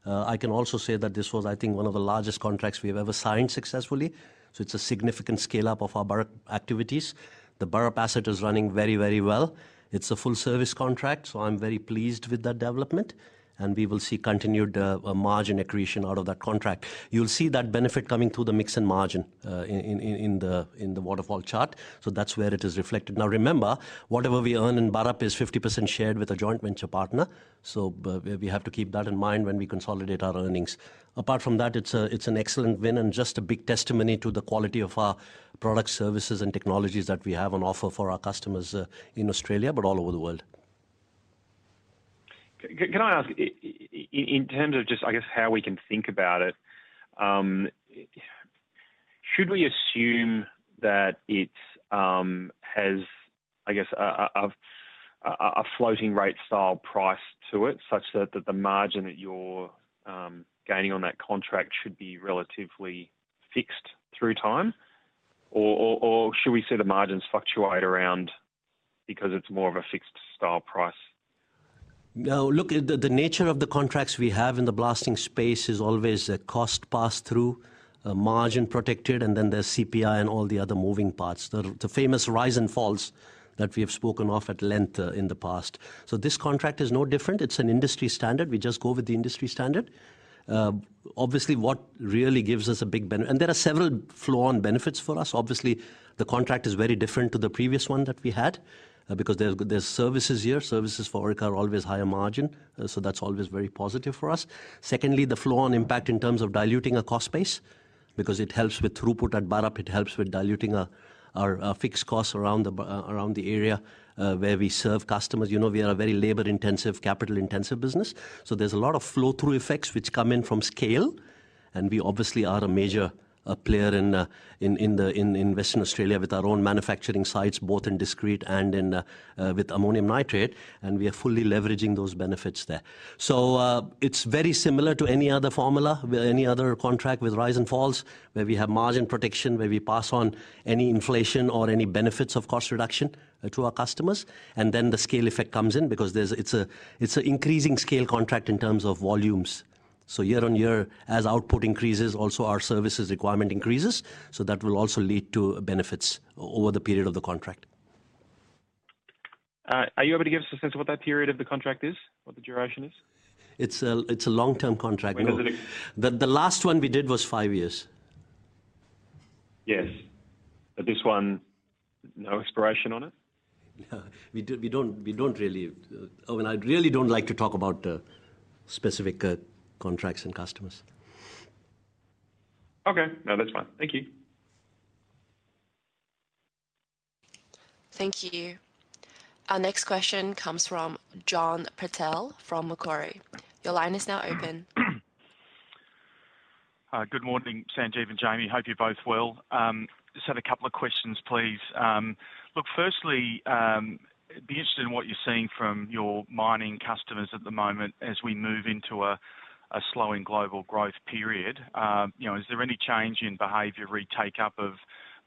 I can also say that this was, I think, one of the largest contracts we have ever signed successfully. It is a significant scale-up of our Burrup activities. The Burrup asset is running very, very well. It is a full-service contract. I am very pleased with that development. We will see continued margin accretion out of that contract. You'll see that benefit coming through the mix and margin in the waterfall chart. That is where it is reflected. Now, remember, whatever we earn in Burrup is 50% shared with a joint venture partner. We have to keep that in mind when we consolidate our earnings. Apart from that, it is an excellent win and just a big testimony to the quality of our products, services, and technologies that we have on offer for our customers in Australia, but all over the world. Can I ask, in terms of just, I guess, how we can think about it, should we assume that it has, I guess, a floating rate style price to it such that the margin that you're gaining on that contract should be relatively fixed through time? Or should we see the margins fluctuate around because it is more of a fixed style price? No, look, the nature of the contracts we have in the blasting space is always a cost pass-through, margin protected, and then there's CPI and all the other moving parts, the famous rise and falls that we have spoken of at length in the past. This contract is no different. It's an industry standard. We just go with the industry standard. Obviously, what really gives us a big benefit? There are several flow-on benefits for us. Obviously, the contract is very different to the previous one that we had because there's services here. Services for Orica are always higher margin. That's always very positive for us. Secondly, the flow-on impact in terms of diluting a cost base because it helps with throughput at Burrup. It helps with diluting our fixed costs around the area where we serve customers. We are a very labor-intensive, capital-intensive business. There is a lot of flow-through effects which come in from scale. We obviously are a major player in Western Australia with our own manufacturing sites, both in discrete and with ammonium nitrate. We are fully leveraging those benefits there. It is very similar to any other formula, any other contract with rise and falls where we have margin protection, where we pass on any inflation or any benefits of cost reduction to our customers. The scale effect comes in because it is an increasing scale contract in terms of volumes. year-on-year, as output increases, also our services requirement increases. That will also lead to benefits over the period of the contract. Are you able to give us a sense of what that period of the contract is, what the duration is? It is a long-term contract. The last one we did was five years. Yes. This one, no expiration on it? No, we do not really. I really do not like to talk about specific contracts and customers. Okay. No, that is fine. Thank you. Thank you. Our next question comes from John Purtell from Macquarie. Your line is now open. Good morning, Sanjeev and Jamie. Hope you both well. Just had a couple of questions, please. Look, firstly, be interested in what you are seeing from your mining customers at the moment as we move into a slowing global growth period. Is there any change in behavior, retake-up of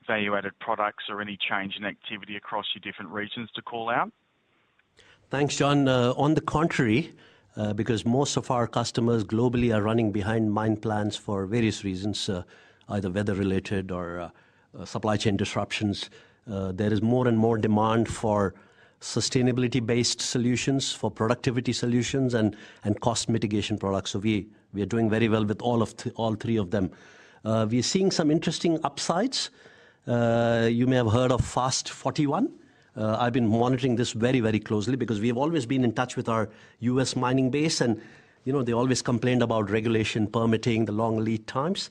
value-added products, or any change in activity across your different regions to call out? Thanks, John. On the contrary, because most of our customers globally are running behind mine plans for various reasons, either weather-related or supply chain disruptions, there is more and more demand for sustainability-based solutions, for productivity solutions, and cost mitigation products. We are doing very well with all three of them. We are seeing some interesting upsides. You may have heard of FAST-41. I have been monitoring this very, very closely because we have always been in touch with our U.S. mining base. They always complained about regulation, permitting, the long lead times.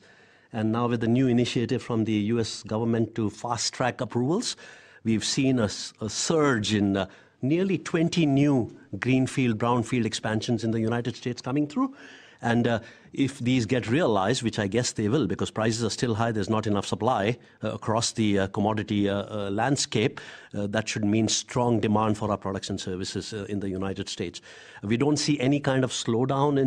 Now with the new initiative from the U.S. government to fast-track approvals, we have seen a surge in nearly 20 new greenfield, brownfield expansions in the United States coming through. If these get realized, which I guess they will, because prices are still high, there is not enough supply across the commodity landscape, that should mean strong demand for our products and services in the United States. We do not see any kind of slowdown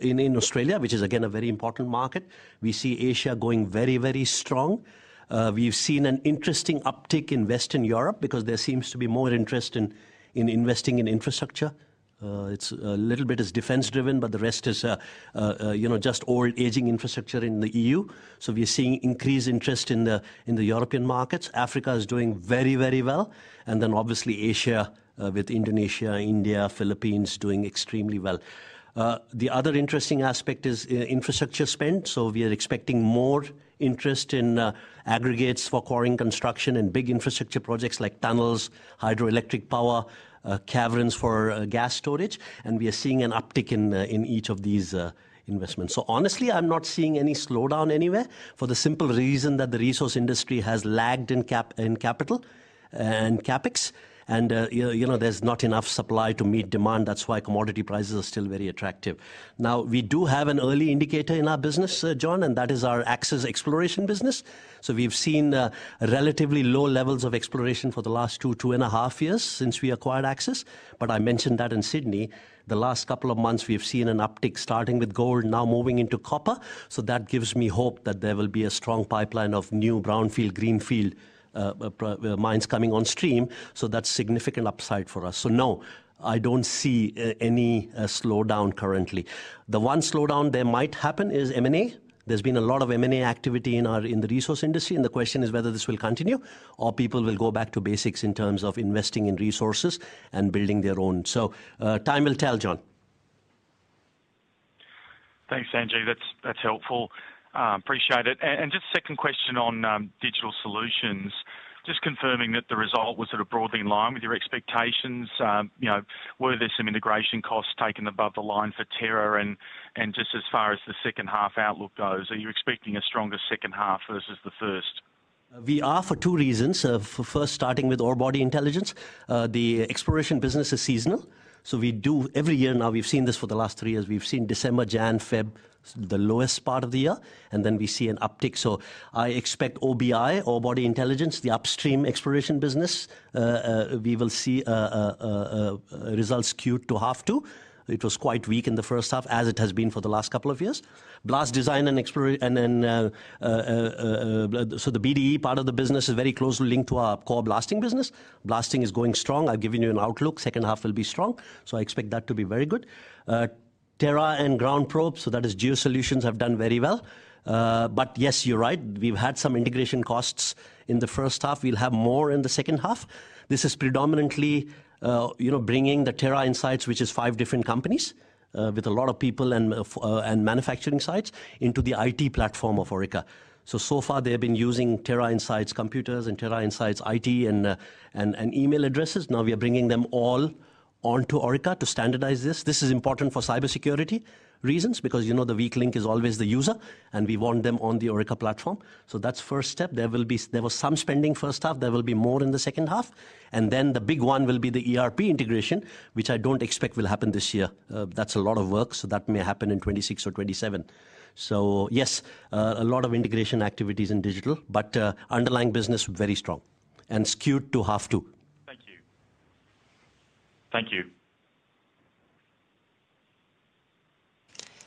in Australia, which is, again, a very important market. We see Asia going very, very strong. We have seen an interesting uptick in Western Europe because there seems to be more interest in investing in infrastructure. It is a little bit as defense-driven, but the rest is just old, aging infrastructure in the EU. We are seeing increased interest in the European markets. Africa is doing very, very well. Obviously, Asia with Indonesia, India, Philippines doing extremely well. The other interesting aspect is infrastructure spend. We are expecting more interest in aggregates for coring construction and big infrastructure projects like tunnels, hydroelectric power, caverns for gas storage. We are seeing an uptick in each of these investments. Honestly, I'm not seeing any slowdown anywhere for the simple reason that the resource industry has lagged in capital and CapEx. There is not enough supply to meet demand. That is why commodity prices are still very attractive. Now, we do have an early indicator in our business, John, and that is our AXIS exploration business. We have seen relatively low levels of exploration for the last two, two and a half years since we acquired AXIS. I mentioned that in Sydney, the last couple of months, we have seen an uptick starting with gold, now moving into copper. That gives me hope that there will be a strong pipeline of new brownfield, greenfield mines coming on stream. That is significant upside for us. No, I do not see any slowdown currently. The one slowdown that might happen is M&A. There has been a lot of M&A activity in the resource industry. The question is whether this will continue or people will go back to basics in terms of investing in resources and building their own. Time will tell, John. Thanks, Sanjeev. That is helpful. Appreciate it. Just second question on digital solutions. Just confirming that the result was sort of broadly in line with your expectations. Were there some integration costs taken above the line for Terra? As far as the second half outlook goes, are you expecting a stronger second half versus the first? We are for two reasons. First, starting with Orebody Intelligence. The exploration business is seasonal. We do every year now. We have seen this for the last three years. We have seen December, January, February, the lowest part of the year. Then we see an uptick. I expect OBI, Orebody Intelligence, the upstream exploration business, we will see results Q2 half two. It was quite weak in the first half, as it has been for the last couple of years. Blast Design and Execution, the BDE part of the business, is very closely linked to our core blasting business. Blasting is going strong. I have given you an outlook. Second half will be strong. I expect that to be very good. Terrain and GroundProbe, that is Geosolutions, have done very well. Yes, you are right. We have had some integration costs in the first half. We'll have more in the second half. This is predominantly bringing the Terra Insights, which is five different companies with a lot of people and manufacturing sites, into the IT platform of Orica. So far, they have been using Terra Insights computers and Terra Insights IT and email addresses. Now we are bringing them all onto Orica to standardize this. This is important for cybersecurity reasons because the weak link is always the user. We want them on the Orica platform. That's the first step. There was some spending first half. There will be more in the second half. The big one will be the ERP integration, which I don't expect will happen this year. That's a lot of work. That may happen in 2026 or 2027. Yes, a lot of integration activities in digital, but underlying business very strong and skewed to half two. Thank you. Thank you.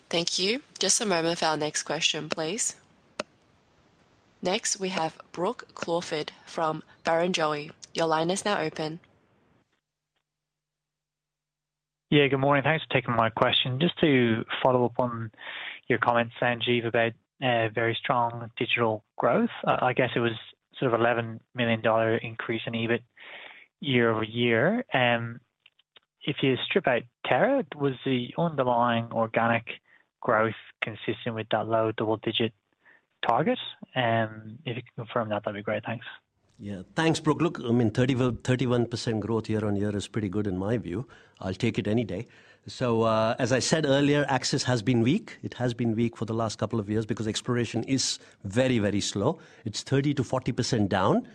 Thank you. Just a moment for our next question, please. Next, we have Brook Crawford from Barrenjoey. Your line is now open. Yeah, good morning. Thanks for taking my question. Just to follow up on your comments, Sanjeev, about very strong digital growth. I guess it was sort of an $11 million increase in EBIT year-over-year. If you strip out Terrain, was the underlying organic growth consistent with that low double-digit target? If you can confirm that, that'd be great. Thanks. Yeah, thanks, Brook. Look, I mean, 31% growth year-on-year is pretty good in my view. I'll take it any day. As I said earlier, AXIS has been weak. It has been weak for the last couple of years because exploration is very, very slow. It is 30-40% down.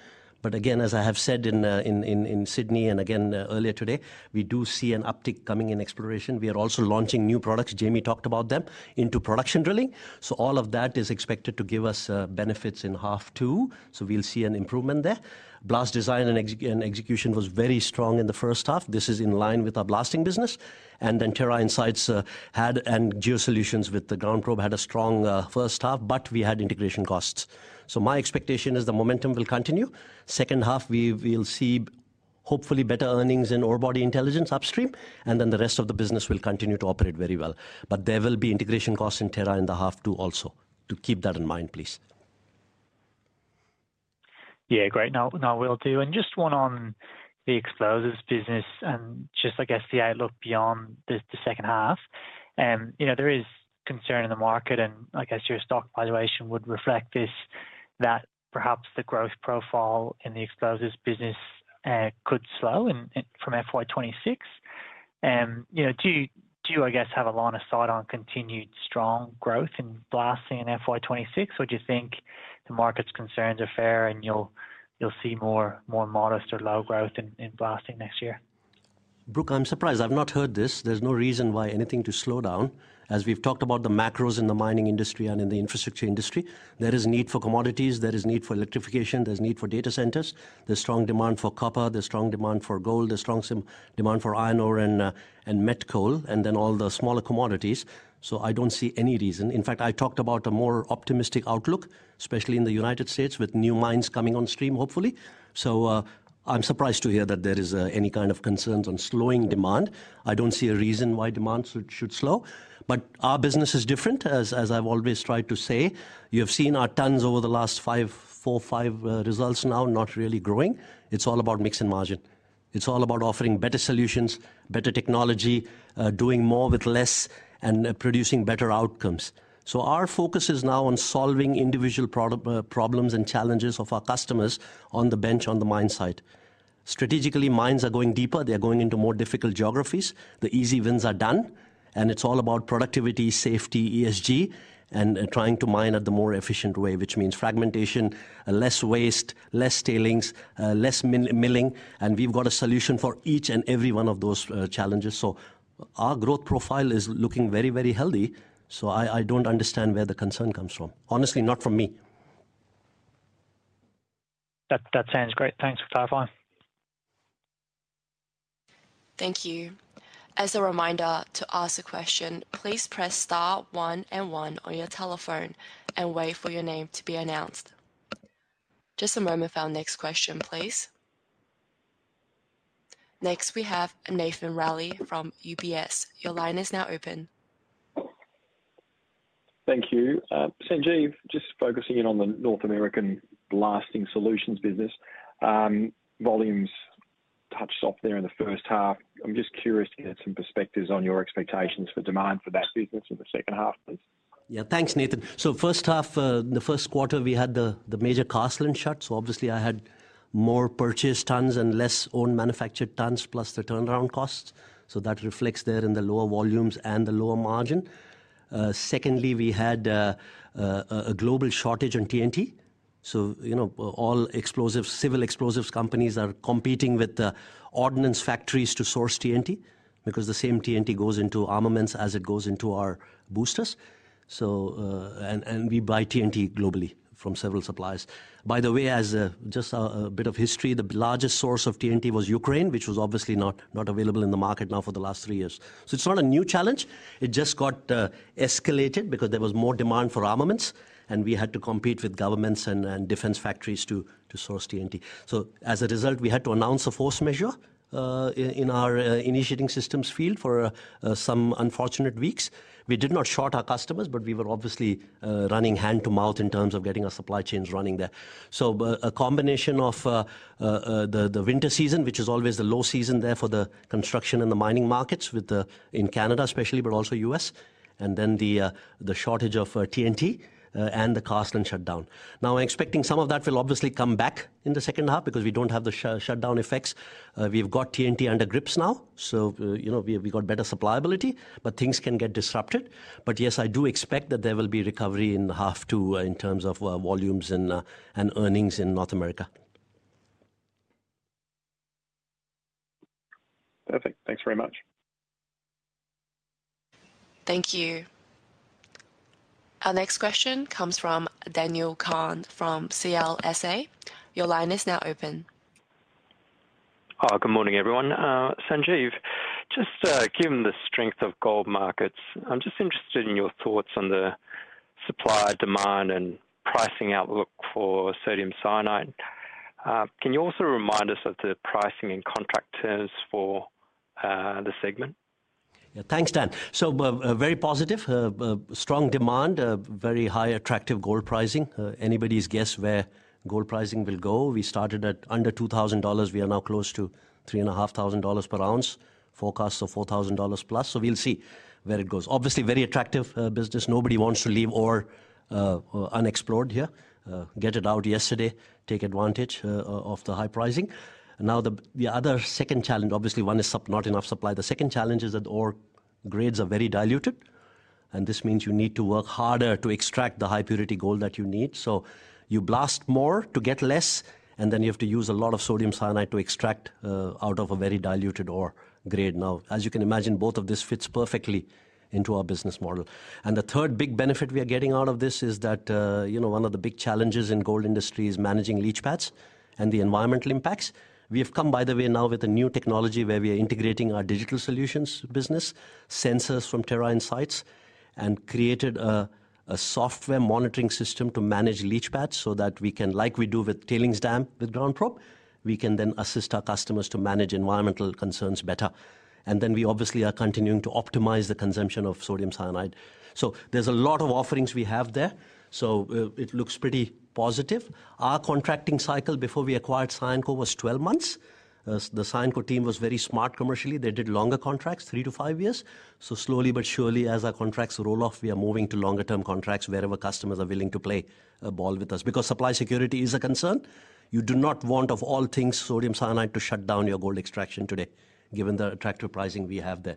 As I have said in Sydney and again earlier today, we do see an uptick coming in exploration. We are also launching new products. Jamie talked about them into production drilling. All of that is expected to give us benefits in half two. We will see an improvement there. Blast Design and Execution was very strong in the first half. This is in line with our blasting business. Terra Insights and Geosolutions with the GroundProbe had a strong first half, but we had integration costs. My expectation is the momentum will continue. Second half, we will see hopefully better earnings in Orebody Intelligence upstream. The rest of the business will continue to operate very well. There will be integration costs in Terra in the half too. To keep that in mind, please. Yeah, great. No, will do. And just one on the explorers business and just, I guess, the outlook beyond the second half. There is concern in the market and I guess your stock valuation would reflect this, that perhaps the growth profile in the explorers business could slow from FY 2026. Do you, I guess, have a line of sight on continued strong growth in blasting in FY 2026? Or do you think the market's concerns are fair and you'll see more modest or low growth in blasting next year? Brook, I'm surprised. I've not heard this. There's no reason why anything to slow down. As we've talked about the macros in the mining industry and in the infrastructure industry, there is need for commodities, there is need for electrification, there's need for data centers. There's strong demand for copper, there's strong demand for gold, there's strong demand for iron ore and met coal, and then all the smaller commodities. I don't see any reason. In fact, I talked about a more optimistic outlook, especially in the United States with new mines coming on stream, hopefully. I'm surprised to hear that there is any kind of concerns on slowing demand. I don't see a reason why demand should slow. Our business is different, as I've always tried to say. You have seen our tonnes over the last four, five results now, not really growing. It's all about mix and margin. It's all about offering better solutions, better technology, doing more with less and producing better outcomes. Our focus is now on solving individual problems and challenges of our customers on the bench, on the mine site. Strategically, mines are going deeper. They're going into more difficult geographies. The easy wins are done. It's all about productivity, safety, ESG, and trying to mine in the more efficient way, which means fragmentation, less waste, less tailings, less milling. We've got a solution for each and every one of those challenges. Our growth profile is looking very, very healthy. I don't understand where the concern comes from. Honestly, not from me. That sounds great. Thanks for clarifying. Thank you. As a reminder to ask a question, please press star one and one on your telephone and wait for your name to be announced. Just a moment for our next question, please. Next, we have Nathan Reilly from UBS. Your line is now open. Thank you. Sanjeev, just focusing in on the North American blasting solutions business. Volumes touched off there in the first half. I'm just curious to get some perspectives on your expectations for demand for that business in the second half, please. Yeah, thanks, Nathan. So first half, the first quarter, we had the major Carseland shut. Obviously, I had more purchase tonnes and less own manufactured tonnes, plus the turnaround costs. That reflects there in the lower volumes and the lower margin. Secondly, we had a global shortage on TNT. All explosives, civil explosives companies are competing with ordnance factories to source TNT because the same TNT goes into armaments as it goes into our boosters. We buy TNT globally from several suppliers. By the way, as just a bit of history, the largest source of TNT was Ukraine, which was obviously not available in the market now for the last three years. It is not a new challenge. It just got escalated because there was more demand for armaments. We had to compete with governments and defense factories to source TNT. As a result, we had to announce a force majeure in our initiating systems field for some unfortunate weeks. We did not short our customers, but we were obviously running hand to mouth in terms of getting our supply chains running there. A combination of the winter season, which is always the low season there for the construction and the mining markets in Canada, especially, but also U.S., and then the shortage of TNT and the Carseland shutdown. Now, I'm expecting some of that will obviously come back in the second half because we do not have the shutdown effects. We have got TNT under grips now. We have got better supplyability, but things can get disrupted. Yes, I do expect that there will be recovery in half two in terms of volumes and earnings in North America. Perfect. Thanks very much. Thank you. Our next question comes from Daniel Kang from CLSA. Your line is now open. Good morning, everyone. Sanjeev, just given the strength of gold markets, I am just interested in your thoughts on the supply, demand, and pricing outlook for sodium cyanide. Can you also remind us of the pricing and contract terms for the segment? Yeah, thanks, Dan. Very positive, strong demand, very high attractive gold pricing. Anybody's guess where gold pricing will go. We started at under $2,000. We are now close to $3,500 per ounce, forecasts of $4,000 plus. We'll see where it goes. Obviously, very attractive business. Nobody wants to leave ore unexplored here. Get it out yesterday, take advantage of the high pricing. Now, the other second challenge, obviously, one is not enough supply. The second challenge is that ore grades are very diluted. This means you need to work harder to extract the high purity gold that you need. You blast more to get less, and then you have to use a lot of sodium cyanide to extract out of a very diluted ore grade. Now, as you can imagine, both of this fits perfectly into our business model. The third big benefit we are getting out of this is that one of the big challenges in gold industry is managing leach pads and the environmental impacts. We have come, by the way, now with a new technology where we are integrating our digital solutions business, sensors from Terra Insights, and created a software monitoring system to manage leach pads so that we can, like we do with tailings dam with GroundProbe, we can then assist our customers to manage environmental concerns better. We obviously are continuing to optimize the consumption of sodium cyanide. There is a lot of offerings we have there. It looks pretty positive. Our contracting cycle before we acquired Cyanco was 12 months. The Cyanco team was very smart commercially. They did longer contracts, three- to five-year. Slowly but surely, as our contracts roll off, we are moving to longer-term contracts wherever customers are willing to play a ball with us because supply security is a concern. You do not want, of all things, sodium cyanide to shut down your gold extraction today, given the attractive pricing we have there.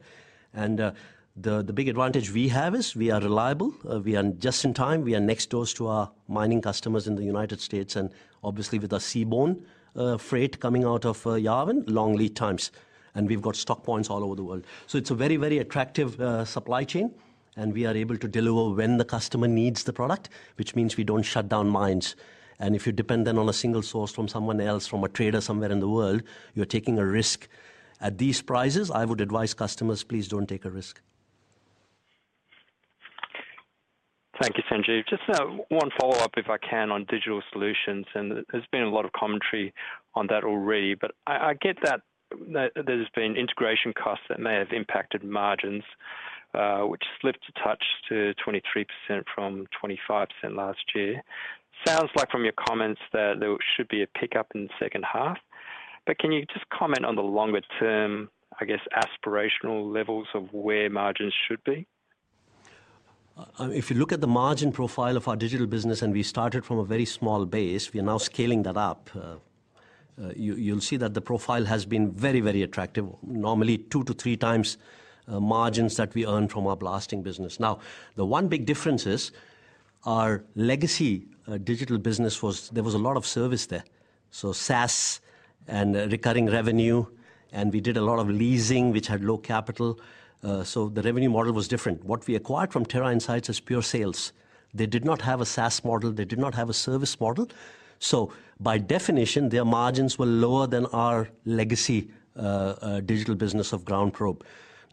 The big advantage we have is we are reliable. We are just in time. We are next door to our mining customers in the United States and obviously with our seaborne freight coming out of Yarwun, long lead times. We have stock points all over the world. It is a very, very attractive supply chain. We are able to deliver when the customer needs the product, which means we do not shut down mines. If you depend then on a single source from someone else, from a trader somewhere in the world, you are taking a risk. At these prices, I would advise customers, please do not take a risk. Thank you, Sanjeev. Just one follow-up, if I can, on digital solutions. There has been a lot of commentary on that already, but I get that there have been integration costs that may have impacted margins, which slipped a touch to 23% from 25% last year. It sounds like from your comments that there should be a pickup in the second half. Can you just comment on the longer-term, I guess, aspirational levels of where margins should be? If you look at the margin profile of our digital business and we started from a very small base, we are now scaling that up. You will see that the profile has been very, very attractive, normally two to three times margins that we earned from our blasting business. Now, the one big difference is our legacy digital business was there was a lot of service there. So SaaS and recurring revenue, and we did a lot of leasing, which had low capital. The revenue model was different. What we acquired from Terra Insights is pure sales. They did not have a SaaS model. They did not have a service model. By definition, their margins were lower than our legacy digital business of GroundProbe.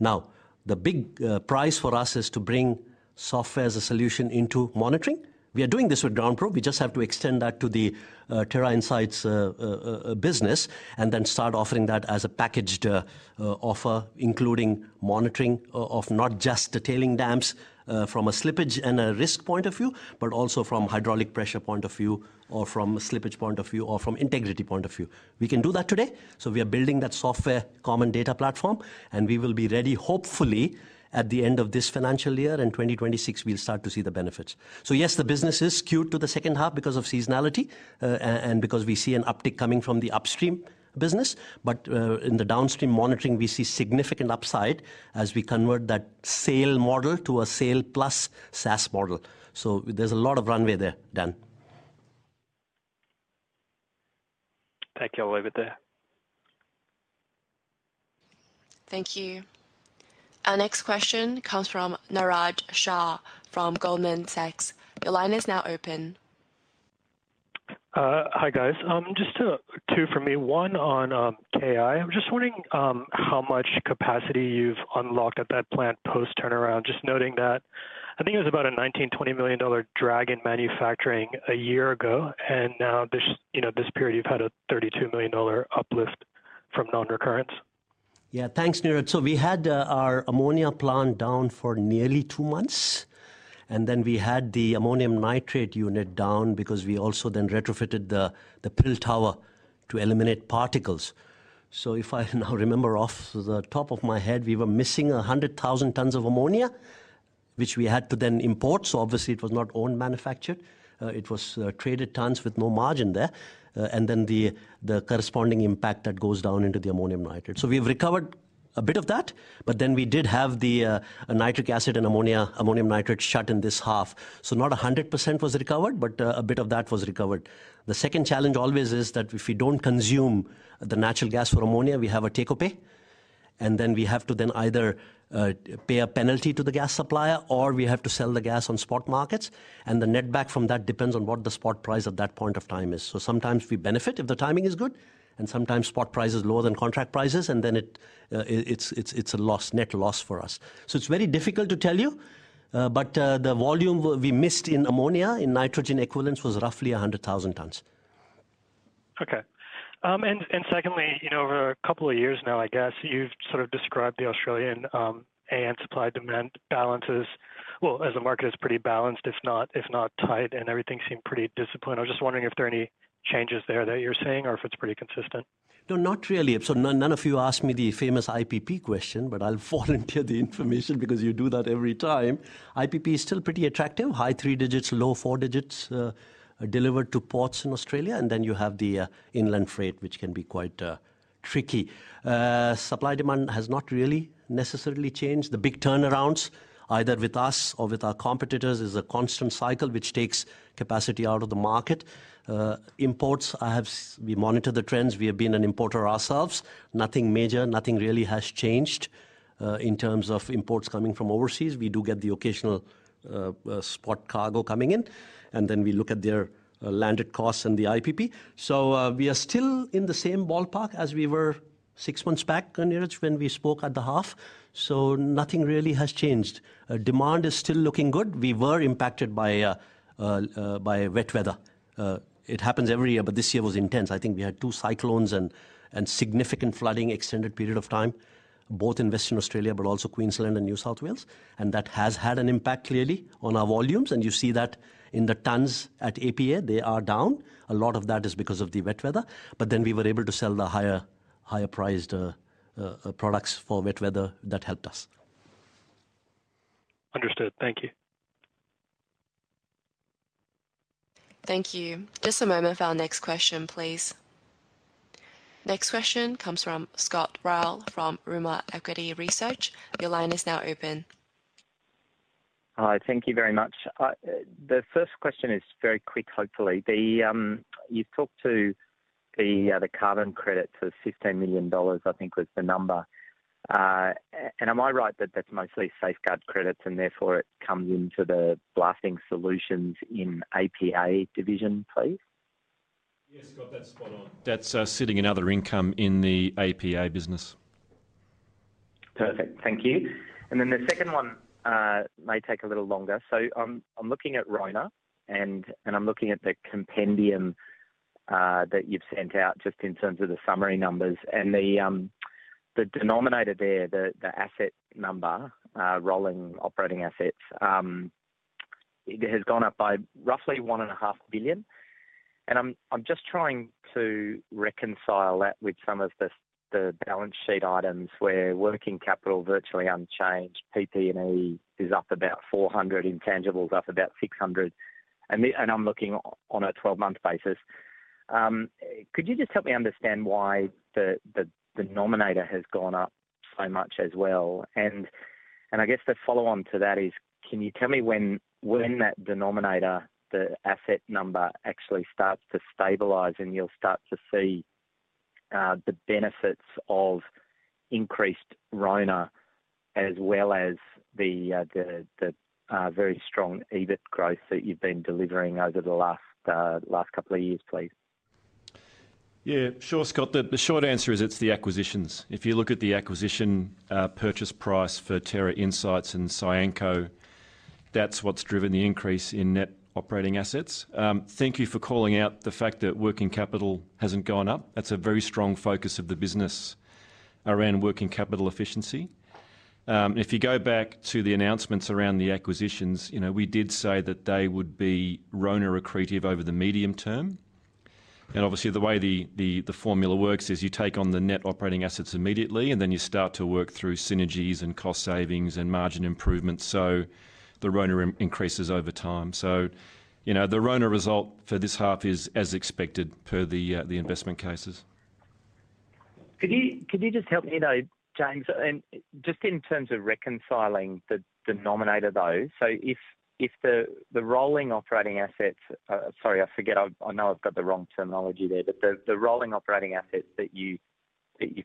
Now, the big prize for us is to bring software as a solution into monitoring. We are doing this with GroundProbe. We just have to extend that to the Terra Insights business and then start offering that as a packaged offer, including monitoring of not just the tailings dams from a slippage and a risk point of view, but also from a hydraulic pressure point of view or from a slippage point of view or from an integrity point of view. We can do that today. We are building that software common data platform, and we will be ready, hopefully, at the end of this financial year and 2026, we'll start to see the benefits. Yes, the business is queued to the second half because of seasonality and because we see an uptick coming from the upstream business. In the downstream monitoring, we see significant upside as we convert that sale model to a sale plus SaaS model. There's a lot of runway there, Dan. Thank you. Thank you. Our next question comes from Niraj Shah from Goldman Sachs. Your line is now open. Hi, guys. Just two from me. One on KI. I'm just wondering how much capacity you've unlocked at that plant post-turnaround. Just noting that I think it was about 19 million-20 million dollar drag on manufacturing a year ago. Now this period, you've had a 32 million dollar uplift from non-recurrence. Yeah, thanks, Niraj. We had our ammonia plant down for nearly two months. We had the ammonium nitrate unit down because we also then retrofitted the prill tower to eliminate particles. If I now remember off the top of my head, we were missing 100,000 tonnes of ammonia, which we had to then import. Obviously, it was not owned manufacture. It was traded tonnes with no margin there. The corresponding impact goes down into the ammonium nitrate. We've recovered a bit of that, but we did have the nitric acid and ammonium nitrate shut in this half. Not 100% was recovered, but a bit of that was recovered. The second challenge always is that if we do not consume the natural gas for ammonia, we have a take-or-pay. We have to then either pay a penalty to the gas supplier or we have to sell the gas on spot markets. The net back from that depends on what the spot price at that point of time is. Sometimes we benefit if the timing is good, and sometimes spot price is lower than contract prices, and then it is a net loss for us. It is very difficult to tell you, but the volume we missed in ammonia in nitrogen equivalents was roughly 100,000 tonnes. Okay. Secondly, over a couple of years now, I guess, you have sort of described the Australian AN supply-demand balances. As the market is pretty balanced, if not tight, and everything seemed pretty disciplined. I was just wondering if there are any changes there that you're seeing or if it's pretty consistent. No, not really. None of you asked me the famous IPP question, but I'll volunteer the information because you do that every time. IPP is still pretty attractive, high three digits, low four digits delivered to ports in Australia. Then you have the inland freight, which can be quite tricky. Supply-demand has not really necessarily changed. The big turnarounds, either with us or with our competitors, is a constant cycle which takes capacity out of the market. Imports, we monitor the trends. We have been an importer ourselves. Nothing major, nothing really has changed in terms of imports coming from overseas. We do get the occasional spot cargo coming in, and then we look at their landed costs and the IPP. We are still in the same ballpark as we were six months back, Niraj, when we spoke at the half. Nothing really has changed. Demand is still looking good. We were impacted by wet weather. It happens every year, but this year was intense. I think we had two cyclones and significant flooding, extended period of time, both in Western Australia, but also Queensland and New South Wales. That has had an impact clearly on our volumes. You see that in the tonnes at APA, they are down. A lot of that is because of the wet weather. We were able to sell the higher-priced products for wet weather that helped us. Understood. Thank you. Thank you. Just a moment for our next question, please. Next question comes from Scott Ryall from Rimor Equity Research. Your line is now open. Hi, thank you very much. The first question is very quick, hopefully. You talked to the carbon credit, so $15 million, I think was the number. Am I right that that's mostly safeguard credits and therefore it comes into the blasting solutions in APA division, please? That's sitting in other income in the APA business. Perfect. Thank you. The second one may take a little longer. I'm looking at RHINO and I'm looking at the compendium that you've sent out just in terms of the summary numbers. The denominator there, the asset number, rolling operating assets, it has gone up by roughly one and a half billion. I'm just trying to reconcile that with some of the balance sheet items where working capital virtually unchanged, PP&E is up about 400, intangibles up about 600. I'm looking on a 12-month basis. Could you just help me understand why the denominator has gone up so much as well? I guess the follow-on to that is, can you tell me when that denominator, the asset number, actually starts to stabilize and you'll start to see the benefits of increased RHINO as well as the very strong EBIT growth that you've been delivering over the last couple of years, please? Yeah, sure, Scott. The short answer is it's the acquisitions. If you look at the acquisition purchase price for Terra Insights and Cyanco, that's what's driven the increase in net operating assets. Thank you for calling out the fact that working capital hasn't gone up. That's a very strong focus of the business around working capital efficiency. If you go back to the announcements around the acquisitions, we did say that they would be RHINO accretive over the medium term. Obviously, the way the formula works is you take on the net operating assets immediately, and then you start to work through synergies and cost savings and margin improvements. The RHINO increases over time. The RHINO result for this half is as expected per the investment cases. Could you just help me though, James, just in terms of reconciling the denominator though? If the rolling operating assets, sorry, I forget, I know I have got the wrong terminology there, but the rolling operating assets that you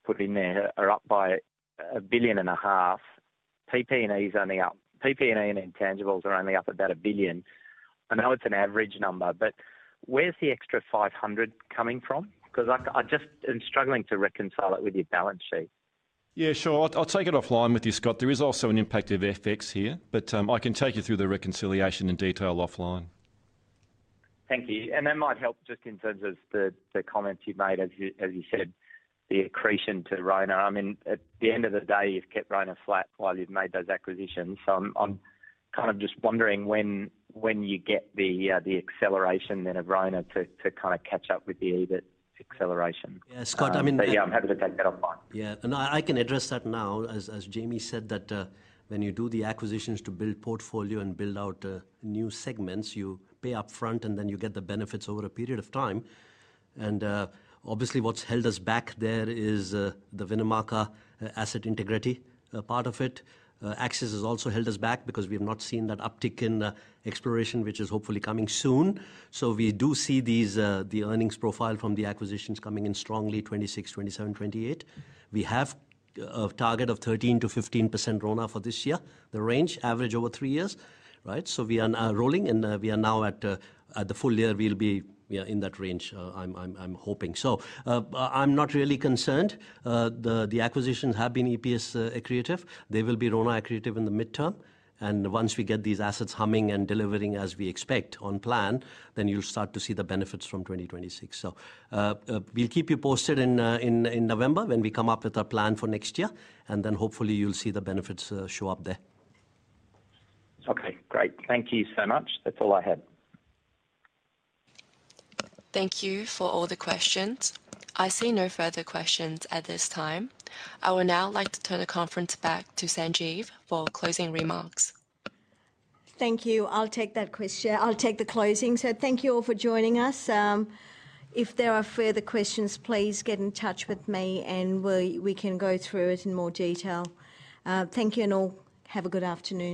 put in there are up by a billion and a half. PP&E is only up. PP&E and intangibles are only up about a billion. I know it is an average number, but where is the extra 500 coming from? Because I just am struggling to reconcile it with your balance sheet. Yeah, sure. I'll take it offline with you, Scott. There is also an impact of FX here, but I can take you through the reconciliation in detail offline. Thank you. That might help just in terms of the comments you've made, as you said, the accretion to RHINO. I mean, at the end of the day, you've kept RHINO flat while you've made those acquisitions. I'm kind of just wondering when you get the acceleration then of RHINO to kind of catch up with the EBIT acceleration. Yeah, Scott, I mean yeah, I'm happy to take that offline. Yeah. I can address that now. As Jamie said, when you do the acquisitions to build portfolio and build out new segments, you pay upfront and then you get the benefits over a period of time. Obviously, what's held us back there is the Winnemucca asset integrity part of it. Axis has also held us back because we have not seen that uptick in exploration, which is hopefully coming soon. We do see the earnings profile from the acquisitions coming in strongly, 2026, 2027, 2028. We have a target of 13-15% RONA for this year, the range average over three years. Right? We are rolling and we are now at the full year, we'll be in that range, I'm hoping. I'm not really concerned. The acquisitions have been EPS accretive. They will be RONA accretive in the midterm. Once we get these assets humming and delivering as we expect on plan, then you'll start to see the benefits from 2026. We'll keep you posted in November when we come up with our plan for next year. And then hopefully you'll see the benefits show up there. Okay, great. Thank you so much. That's all I had. Thank you for all the questions. I see no further questions at this time. I would now like to turn the conference back to Sanjeev for closing remarks. Thank you. I'll take that question. I'll take the closing. So thank you all for joining us. If there are further questions, please get in touch with me and we can go through it in more detail. Thank you and all. Have a good afternoon.